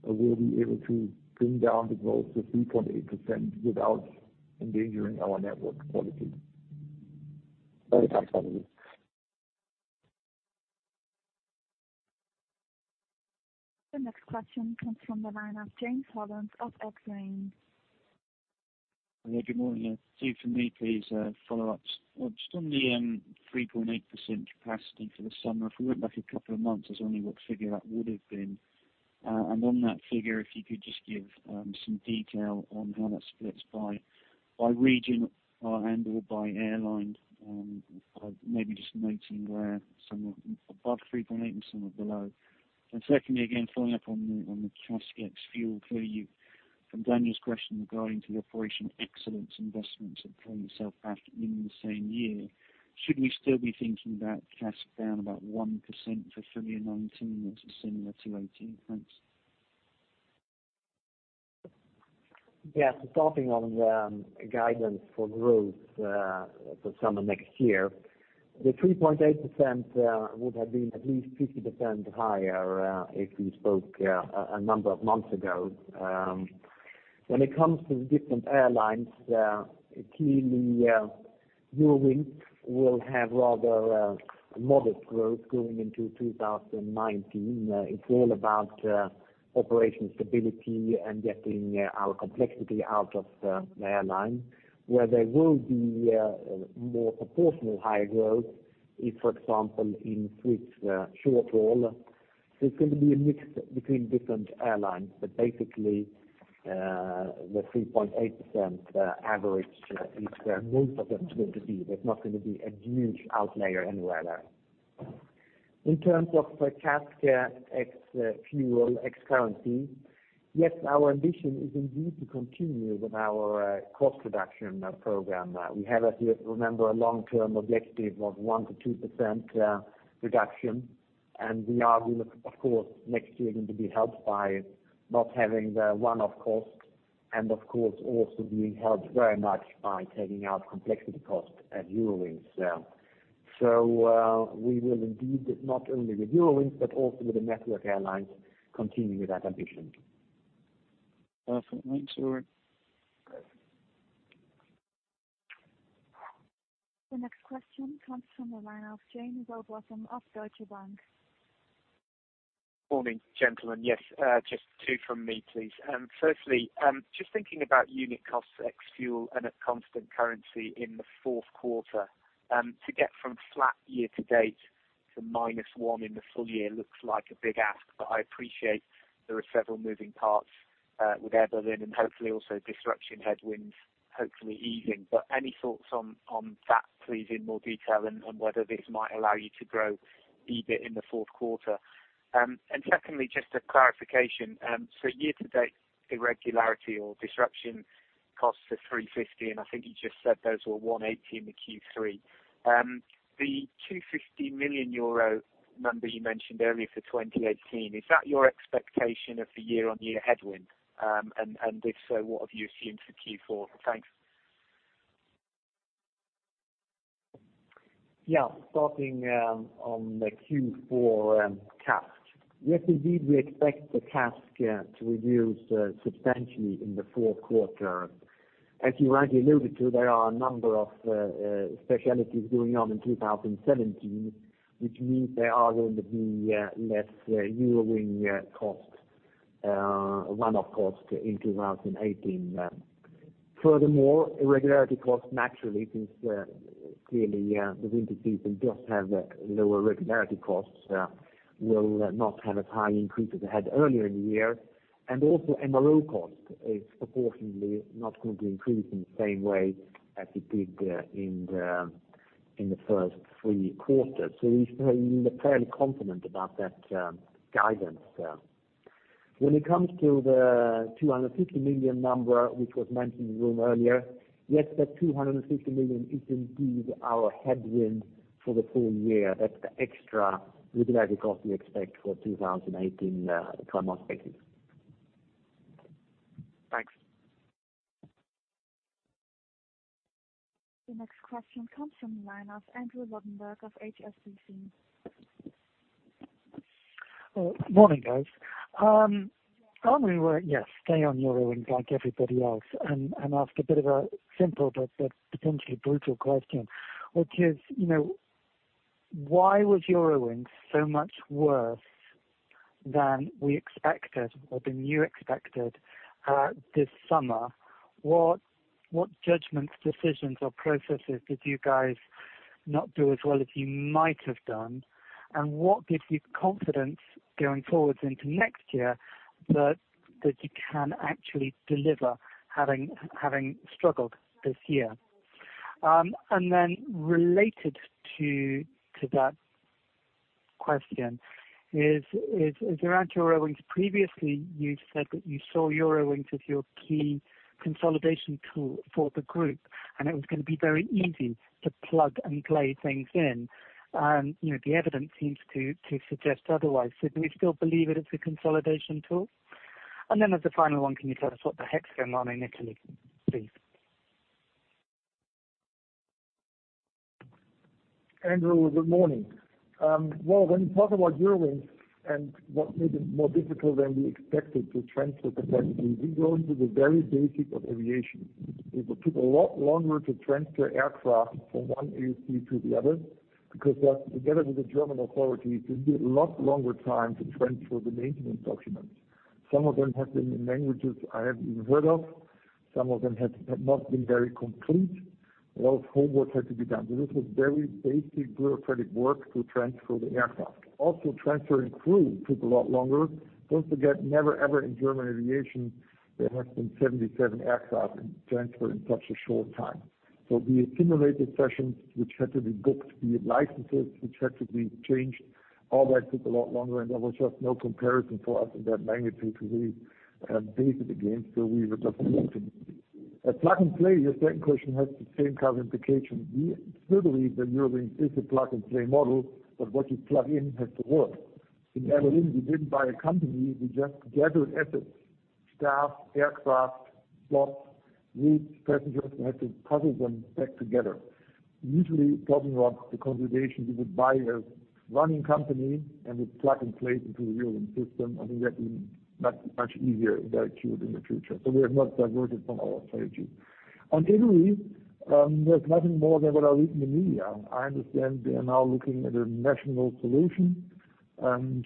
we'll be able to bring down the growth to 3.8% without endangering our network quality. Many thanks, Carsten. The next question comes from the line of James Hollins of Exane. Good morning. Two from me, please. Follow-ups. Just on the 3.8% capacity for the summer. If we went back a couple of months, I was wondering what figure that would have been. On that figure, if you could just give some detail on how that splits by region or/and by airline. Maybe just noting where some are above 3.8% and some are below. Secondly, again, following up on the CASK ex fuel for you from Daniel's question regarding to the Operational Excellence investments that pay themselves back in the same year. Should we still be thinking that CASK down about 1% for full year 2019? That's similar to 2018. Thanks. Yeah. Starting on the guidance for growth for summer next year. The 3.8% would have been at least 50% higher if we spoke a number of months ago. When it comes to the different airlines, clearly Eurowings will have rather modest growth going into 2019. It's all about operational stability and getting our complexity out of the airline. Where there will be more proportional higher growth is, for example, in Swiss short haul. There's going to be a mix between different airlines. Basically, the 3.8% average is where most of them are going to be. There's not going to be a huge outlier anywhere. In terms of CASK ex fuel, ex currency, yes, our ambition is indeed to continue with our cost reduction program. We have, if you remember, a long-term objective of 1%-2% reduction. We are, of course, next year going to be helped by not having the one-off cost and of course also being helped very much by taking out complexity costs at Eurowings. We will indeed, not only with Eurowings but also with the network airlines, continue with that ambition. Perfect. Thanks, Ulrik. The next question comes from the line of James Hollins of Deutsche Bank. Morning, gentlemen. Just two from me, please. Firstly, just thinking about unit cost ex fuel and at constant currency in the fourth quarter. To get from flat year to date to -1 in the full year looks like a big ask, I appreciate there are several moving parts with Air Berlin and hopefully also disruption headwinds hopefully easing. Any thoughts on that, please, in more detail and on whether this might allow you to grow EBIT in the fourth quarter? Secondly, just a clarification. Year to date, irregularity or disruption costs are 350, and I think you just said those were 180 in the Q3. The 250 million euro number you mentioned earlier for 2018, is that your expectation of the year-on-year headwind? If so, what have you assumed for Q4? Thanks. Starting on the Q4 CASK. Indeed, we expect the CASK to reduce substantially in the fourth quarter. As you rightly alluded to, there are a number of specialities going on in 2017, which means there are going to be less Eurowings one-off cost in 2018. Furthermore, irregularity costs naturally, since clearly the winter season does have lower irregularity costs, will not have as high an increase as it had earlier in the year. Also MRO cost is proportionately not going to increase in the same way as it did in the first 3 quarters. We're fairly confident about that guidance there. When it comes to the 250 million number, which was mentioned in the room earlier, that 250 million is indeed our headwind for the full year. That's the extra irregularity cost we expect for 2018. Thanks. The next question comes from the line of Andrew Lobbenberg of HSBC. Morning, guys. I only want to stay on Eurowings like everybody else and ask a bit of a simple potentially brutal question, which is, why was Eurowings so much worse than we expected, or than you expected, this summer? What judgments, decisions, or processes did you guys not do as well as you might have done? What gives you confidence going forwards into next year that you can actually deliver, having struggled this year? Related to that question is, around Eurowings previously, you said that you saw Eurowings as your key consolidation tool for the group, and it was going to be very easy to plug and play things in. The evidence seems to suggest otherwise. Do you still believe it is a consolidation tool? As a final one, can you tell us what the heck is going on in Italy, please? Andrew, good morning. When you talk about Eurowings and what made it more difficult than we expected to transfer the capacity, we go into the very basic of aviation. It would take a lot longer to transfer aircraft from one AOC to the other, because together with the German authorities, it took a lot longer time to transfer the maintenance documents. Some of them have been in languages I haven't even heard of. Some of them have not been very complete. A lot of homework had to be done. This was very basic bureaucratic work to transfer the aircraft. Also, transferring crew took a lot longer. Don't forget, never, ever in German aviation, there have been 77 aircraft transferred in such a short time. The simulator sessions which had to be booked, the licenses which had to be changed, all that took a lot longer, and there was just no comparison for us of that magnitude to really base it against, we were just optimistic. At plug and play, your second question has the same kind of implication. We still believe that Eurowings is a plug-and-play model, but what you plug in has to work. In Air Berlin, we didn't buy a company, we just gathered assets, staff, aircraft, slots, routes, passengers. We had to puzzle them back together. Usually, talking about the consolidation, we would buy a running company, and we'd plug and play it into the Eurowings system. I think that will be much easier and very acute in the future. We have not diverted from our strategy. On Italy, there's nothing more than what I read in the media. I understand they are now looking at a national solution.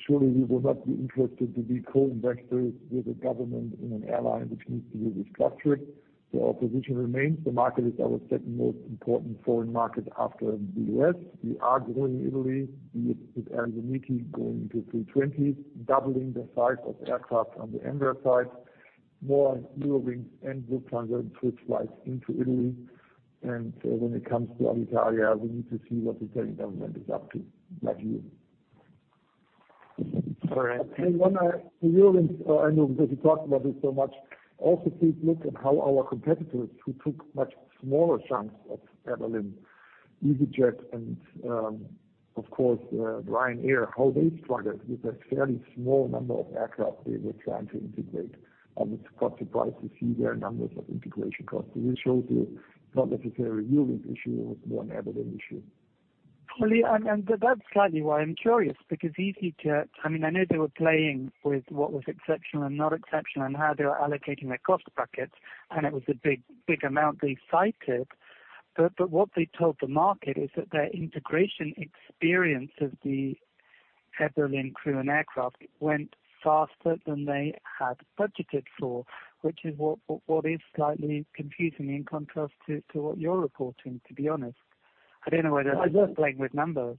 Surely we will not be interested to be co-investors with the government in an airline which needs to be restructured. Our position remains. The market is our second most important foreign market after the U.S. We are growing Italy with Air Italy going to A320, doubling the size of aircraft on the Embraer side. More Eurowings and Lufthansa switch flights into Italy. When it comes to Alitalia, we need to see what the Italian government is up to, like you. All right. One on Eurowings, I know because we talked about it so much. Also, please look at how our competitors who took much smaller chunks of Air Berlin, EasyJet and, of course, Ryanair, how they struggled with a fairly small number of aircraft they were trying to integrate. I was quite surprised to see their numbers of integration costs. It shows it's not necessarily a Eurowings issue, it was more an Air Berlin issue. That's slightly why I'm curious, because EasyJet, I know they were playing with what was exceptional and not exceptional and how they were allocating their cost buckets, and it was a big amount they cited. What they told the market is that their integration experience of the Air Berlin crew and aircraft went faster than they had budgeted for, which is what is slightly confusing in contrast to what you're reporting, to be honest. I don't know whether they're just playing with numbers.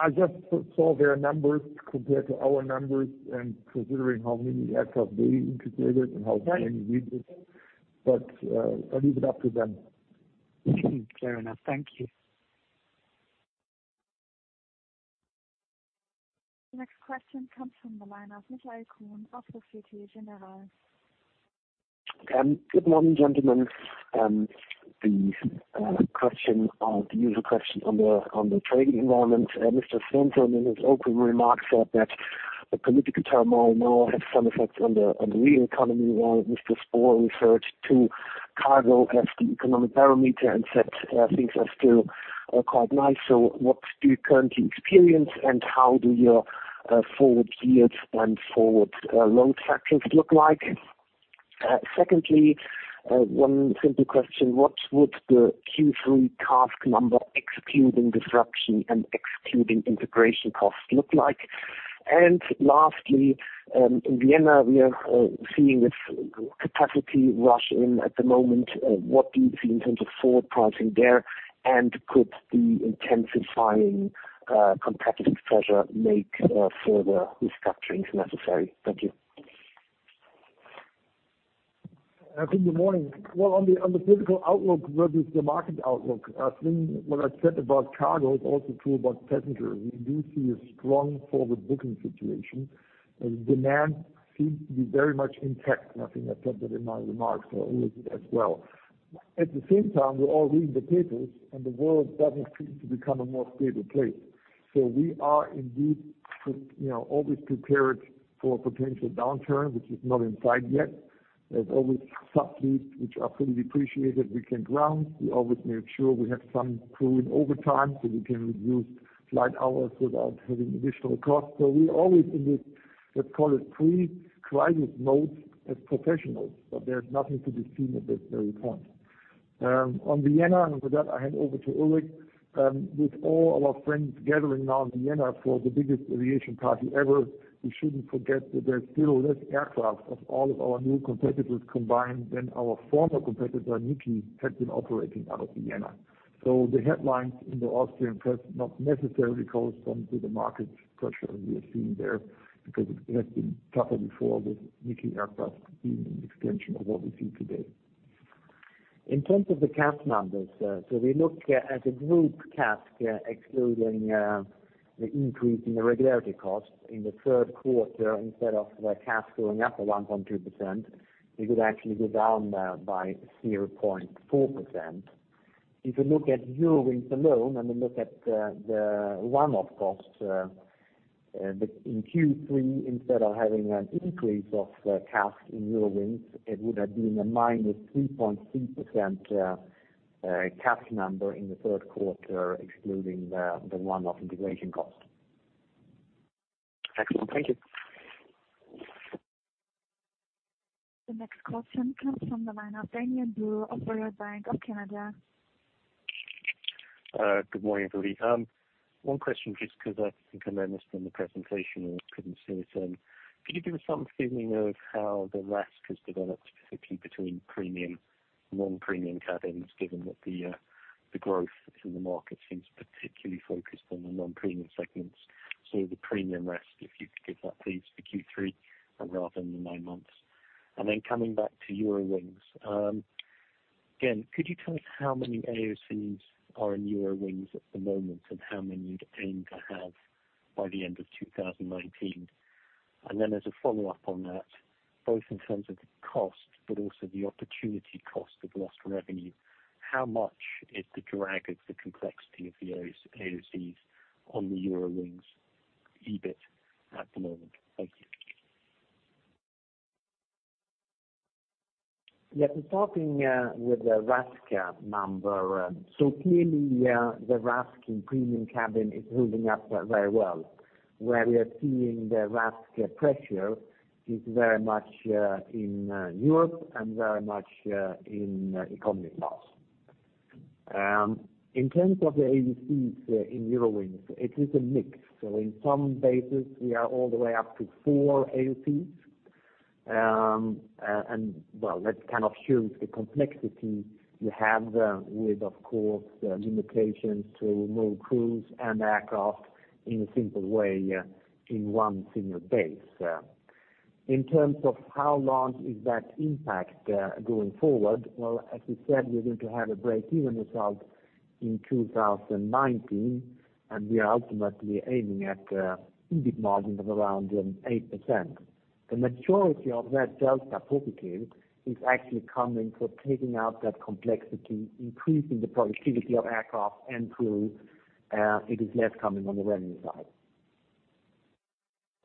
I just saw their numbers compared to our numbers and considering how many aircraft they integrated and how many we did, but I'll leave it up to them. Fair enough. Thank you. The next question comes from the line of Michael Kuhn of Société Générale. Good morning, gentlemen. The usual question on the trading environment. Mr. Spohr, in his opening remarks, said that the political turmoil now has some effects on the real economy, while Mr. Spohr referred to cargo as the economic parameter and said things are still quite nice. What do you currently experience, and how do your forward yields and forward load factors look like? Secondly, one simple question. What would the Q3 CASK number, excluding disruption and excluding integration costs, look like? Lastly, in Vienna, we are seeing this capacity rush in at the moment. What do you see in terms of forward pricing there, and could the intensifying competitive pressure make further restructurings necessary? Thank you. Good morning. On the political outlook versus the market outlook, I think what I said about cargo is also true about passengers. We do see a strong forward booking situation. Demand seems to be very much intact, I think I touched it in my remarks earlier as well. At the same time, we all read the papers, and the world doesn't seem to become a more stable place. We are indeed always prepared for a potential downturn, which is not in sight yet. There's always sub-fleets which are fully depreciated we can ground. We always make sure we have some crew in overtime, we can reduce flight hours without having additional costs. We're always in this, let's call it, pre-crisis mode as professionals, but there's nothing to be seen at this very point. On Vienna, for that, I hand over to Ulrik. With all our friends gathering now in Vienna for the biggest aviation party ever, we shouldn't forget that there's still less aircraft of all of our new competitors combined than our former competitor, NIKI, had been operating out of Vienna. The headlines in the Austrian press not necessarily correspond to the market pressure we are seeing there, because it has been tougher before with NIKI aircraft being an extension of what we see today. In terms of the CASK numbers. We look at, as a group, CASK excluding the increase in the regularity costs in the third quarter. Instead of the CASK going up by 1.2%, it would actually go down by 0.4%. If you look at Eurowings alone, look at the one-off costs in Q3, instead of having an increase of CASK in Eurowings, it would have been a minus 3.3% CASK number in the third quarter, excluding the one-off integration cost. Excellent. Thank you. The next question comes from the line of Daniel Röska, National Bank of Canada. Good morning, everybody. One question, just because I think I missed in the presentation or couldn't see the same. Can you give us some feeling of how the RASK has developed specifically between premium and non-premium cabins, given that the growth in the market seems particularly focused on the non-premium segments? The premium RASK, if you could give that please, for Q3 rather than the nine months. Coming back to Eurowings. Again, could you tell us how many AOCs are in Eurowings at the moment and how many you'd aim to have by the end of 2019? As a follow-up on that, both in terms of the cost but also the opportunity cost of lost revenue, how much is the drag of the complexity of the AOCs on the Eurowings EBIT at the moment? Thank you. Yes. Starting with the RASK number. Clearly, the RASK in premium cabin is holding up very well. Where we are seeing the RASK pressure is very much in Europe and very much in economy class. In terms of the AOCs in Eurowings, it is a mix. In some bases, we are all the way up to four AOCs. Well, that shows the complexity you have with, of course, limitations to move crews and aircraft in a simple way in one single base. In terms of how long is that impact going forward? As we said, we're going to have a breakeven result in 2019, and we are ultimately aiming at EBIT margins of around 8%. The majority of that delta positive is actually coming for taking out that complexity, increasing the productivity of aircraft and crew. It is less coming on the revenue side.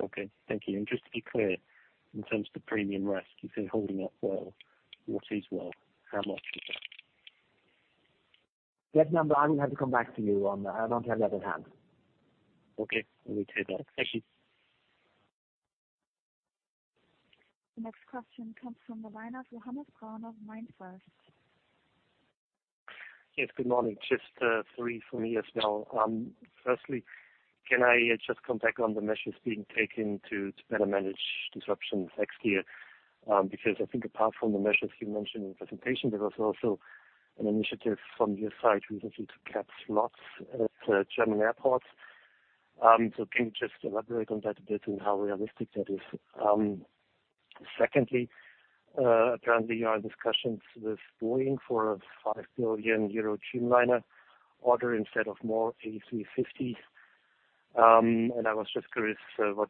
Okay, thank you. Just to be clear, in terms of the premium RASK, you say holding up well. What is well? How much is that? That number I will have to come back to you on. I don't have that at hand. Okay. I'll wait to hear that. Thank you. The next question comes from the line of Johannes Braun of MainFirst. Yes. Good morning. Just three from me as well. Firstly, can I just come back on the measures being taken to better manage disruptions next year? I think apart from the measures you mentioned in the presentation, there was also an initiative from your side recently to cap slots at German airports. Can you just elaborate on that a bit and how realistic that is? Secondly, apparently you are in discussions with Boeing for a 5 billion euro Dreamliner order instead of more A350s. I was just curious what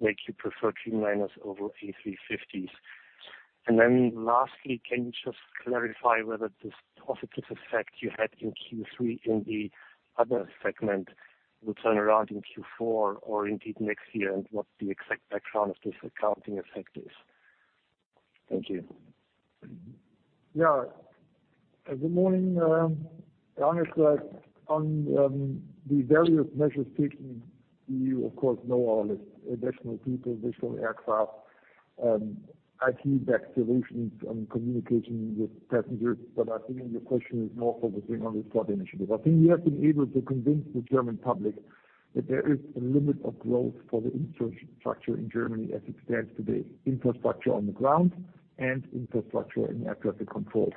makes you prefer Dreamliners over A350s. Lastly, can you just clarify whether this positive effect you had in Q3 in the other segment will turn around in Q4 or indeed next year, and what the exact background of this accounting effect is? Thank you. Good morning, Johannes. On the various measures taken, you of course know all this. Additional people, additional aircraft, IT reservations and communication with passengers. I think your question is more focusing on the slot initiative. I think we have been able to convince the German public that there is a limit of growth for the infrastructure in Germany as it stands today, infrastructure on the ground and infrastructure in air traffic control.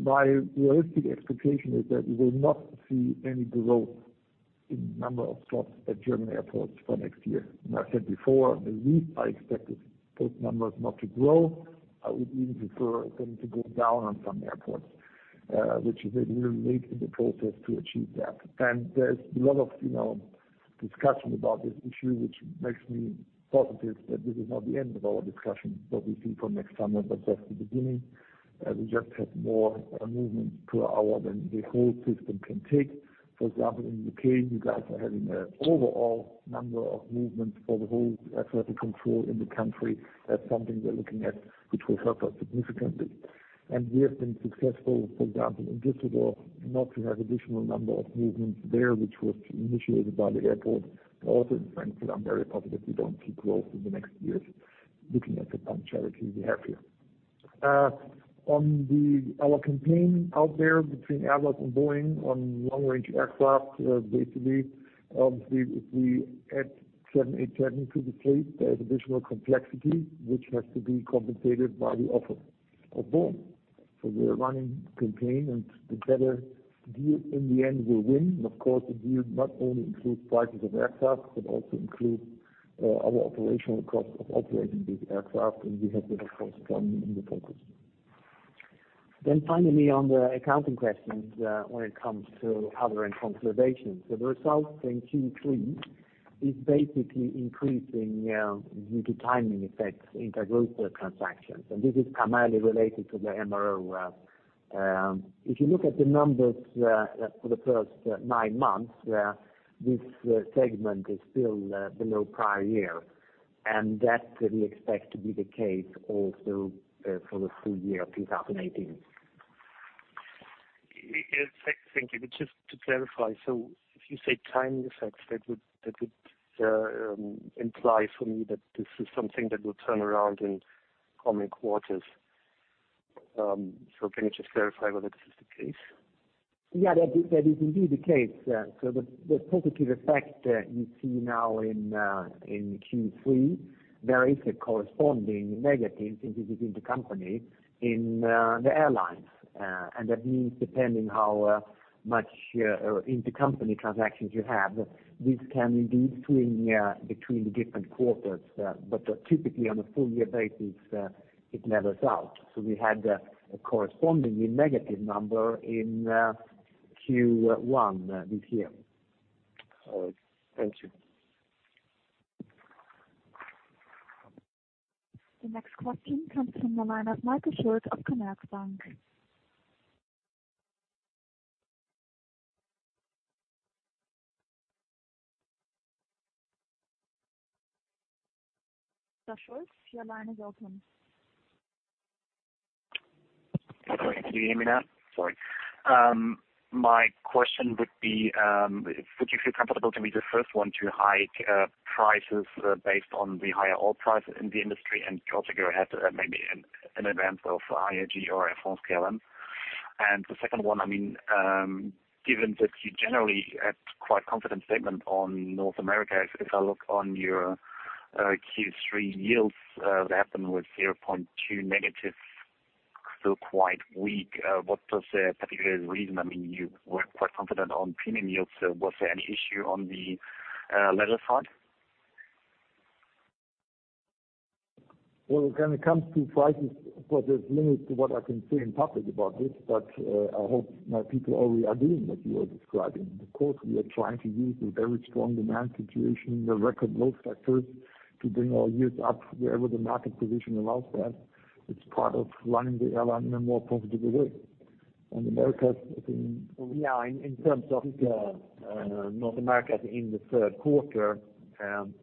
My realistic expectation is that we will not see any growth in number of slots at German airports for next year. I said before, in the week, I expected those numbers not to grow. I would even prefer them to go down on some airports, which we are really late in the process to achieve that. There's a lot of discussion about this issue, which makes me positive that this is not the end of our discussion, what we see for next summer, but just the beginning. We just have more movements per hour than the whole system can take. For example, in the U.K., you guys are having an overall number of movements for the whole air traffic control in the country. That's something we are looking at, which will help us significantly. We have been successful, for example, in Düsseldorf, not to have additional number of movements there, which was initiated by the airport. Also in Frankfurt, I'm very positive we don't see growth in the next years looking at the punctuality we have here. On our campaign out there between Airbus and Boeing on long-range aircraft, basically, obviously, if we add 787 to the fleet, there is additional complexity, which has to be compensated by the offer of Boeing. We are running campaign, and the better deal in the end will win. Of course, the deal not only includes prices of aircraft but also includes our operational cost of operating these aircraft, and we have that, of course, firmly in the focus. Finally, on the accounting questions when it comes to other and consolidation. The result in Q3 is basically increasing due to timing effects, intergroup transactions. This is primarily related to the MRO. If you look at the numbers for the first nine months, this segment is still below prior year. That we expect to be the case also for the full year 2018. Thank you. Just to clarify, if you say timing effects, that would imply for me that this is something that will turn around in coming quarters. Can you just verify whether this is the case? Yeah, that is indeed the case. The positive effect you see now in Q3, there is a corresponding negative since it is intercompany in the airlines. That means depending how much intercompany transactions you have, this can indeed swing between the different quarters. Typically, on a full-year basis, it levels out. We had a correspondingly negative number in Q1 this year. All right. Thank you. The next question comes from the line of Malte Schulz of Commerzbank. Mr. Schulz, your line is open. Can you hear me now? Sorry. My question would be, would you feel comfortable to be the first one to hike prices based on the higher oil prices in the industry and also go ahead maybe in advance of IAG or Air France-KLM? The second one, given that you generally had quite confident segment on North America, if I look on your Q3 yields, that happened with 0.2 negative, still quite weak. What was the particular reason? You were quite confident on premium yields. Was there any issue on the level side? When it comes to prices, there's limits to what I can say in public about this, but I hope my people already are doing what you are describing. Of course, we are trying to use the very strong demand situation and the record low sector to bring our yields up wherever the market position allows that. It's part of running the airline in a more profitable way. Americas, I think- In terms of North America in the third quarter,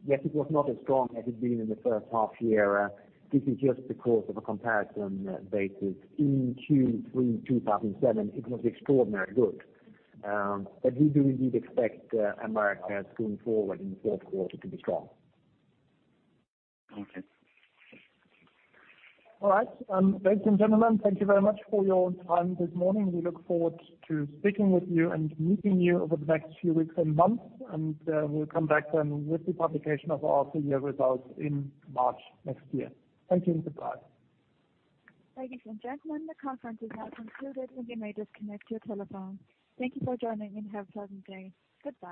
yes, it was not as strong as it had been in the first half year. This is just because of a comparison basis. In Q3 2017, it was extraordinarily good. We do indeed expect America going forward in the fourth quarter to be strong. Okay. All right. Ladies and gentlemen, thank you very much for your time this morning. We look forward to speaking with you and meeting you over the next few weeks and months. We'll come back then with the publication of our full year results in March next year. Thank you and goodbye. Ladies and gentlemen, the conference has now concluded. You may disconnect your telephone. Thank you for joining. Have a pleasant day. Goodbye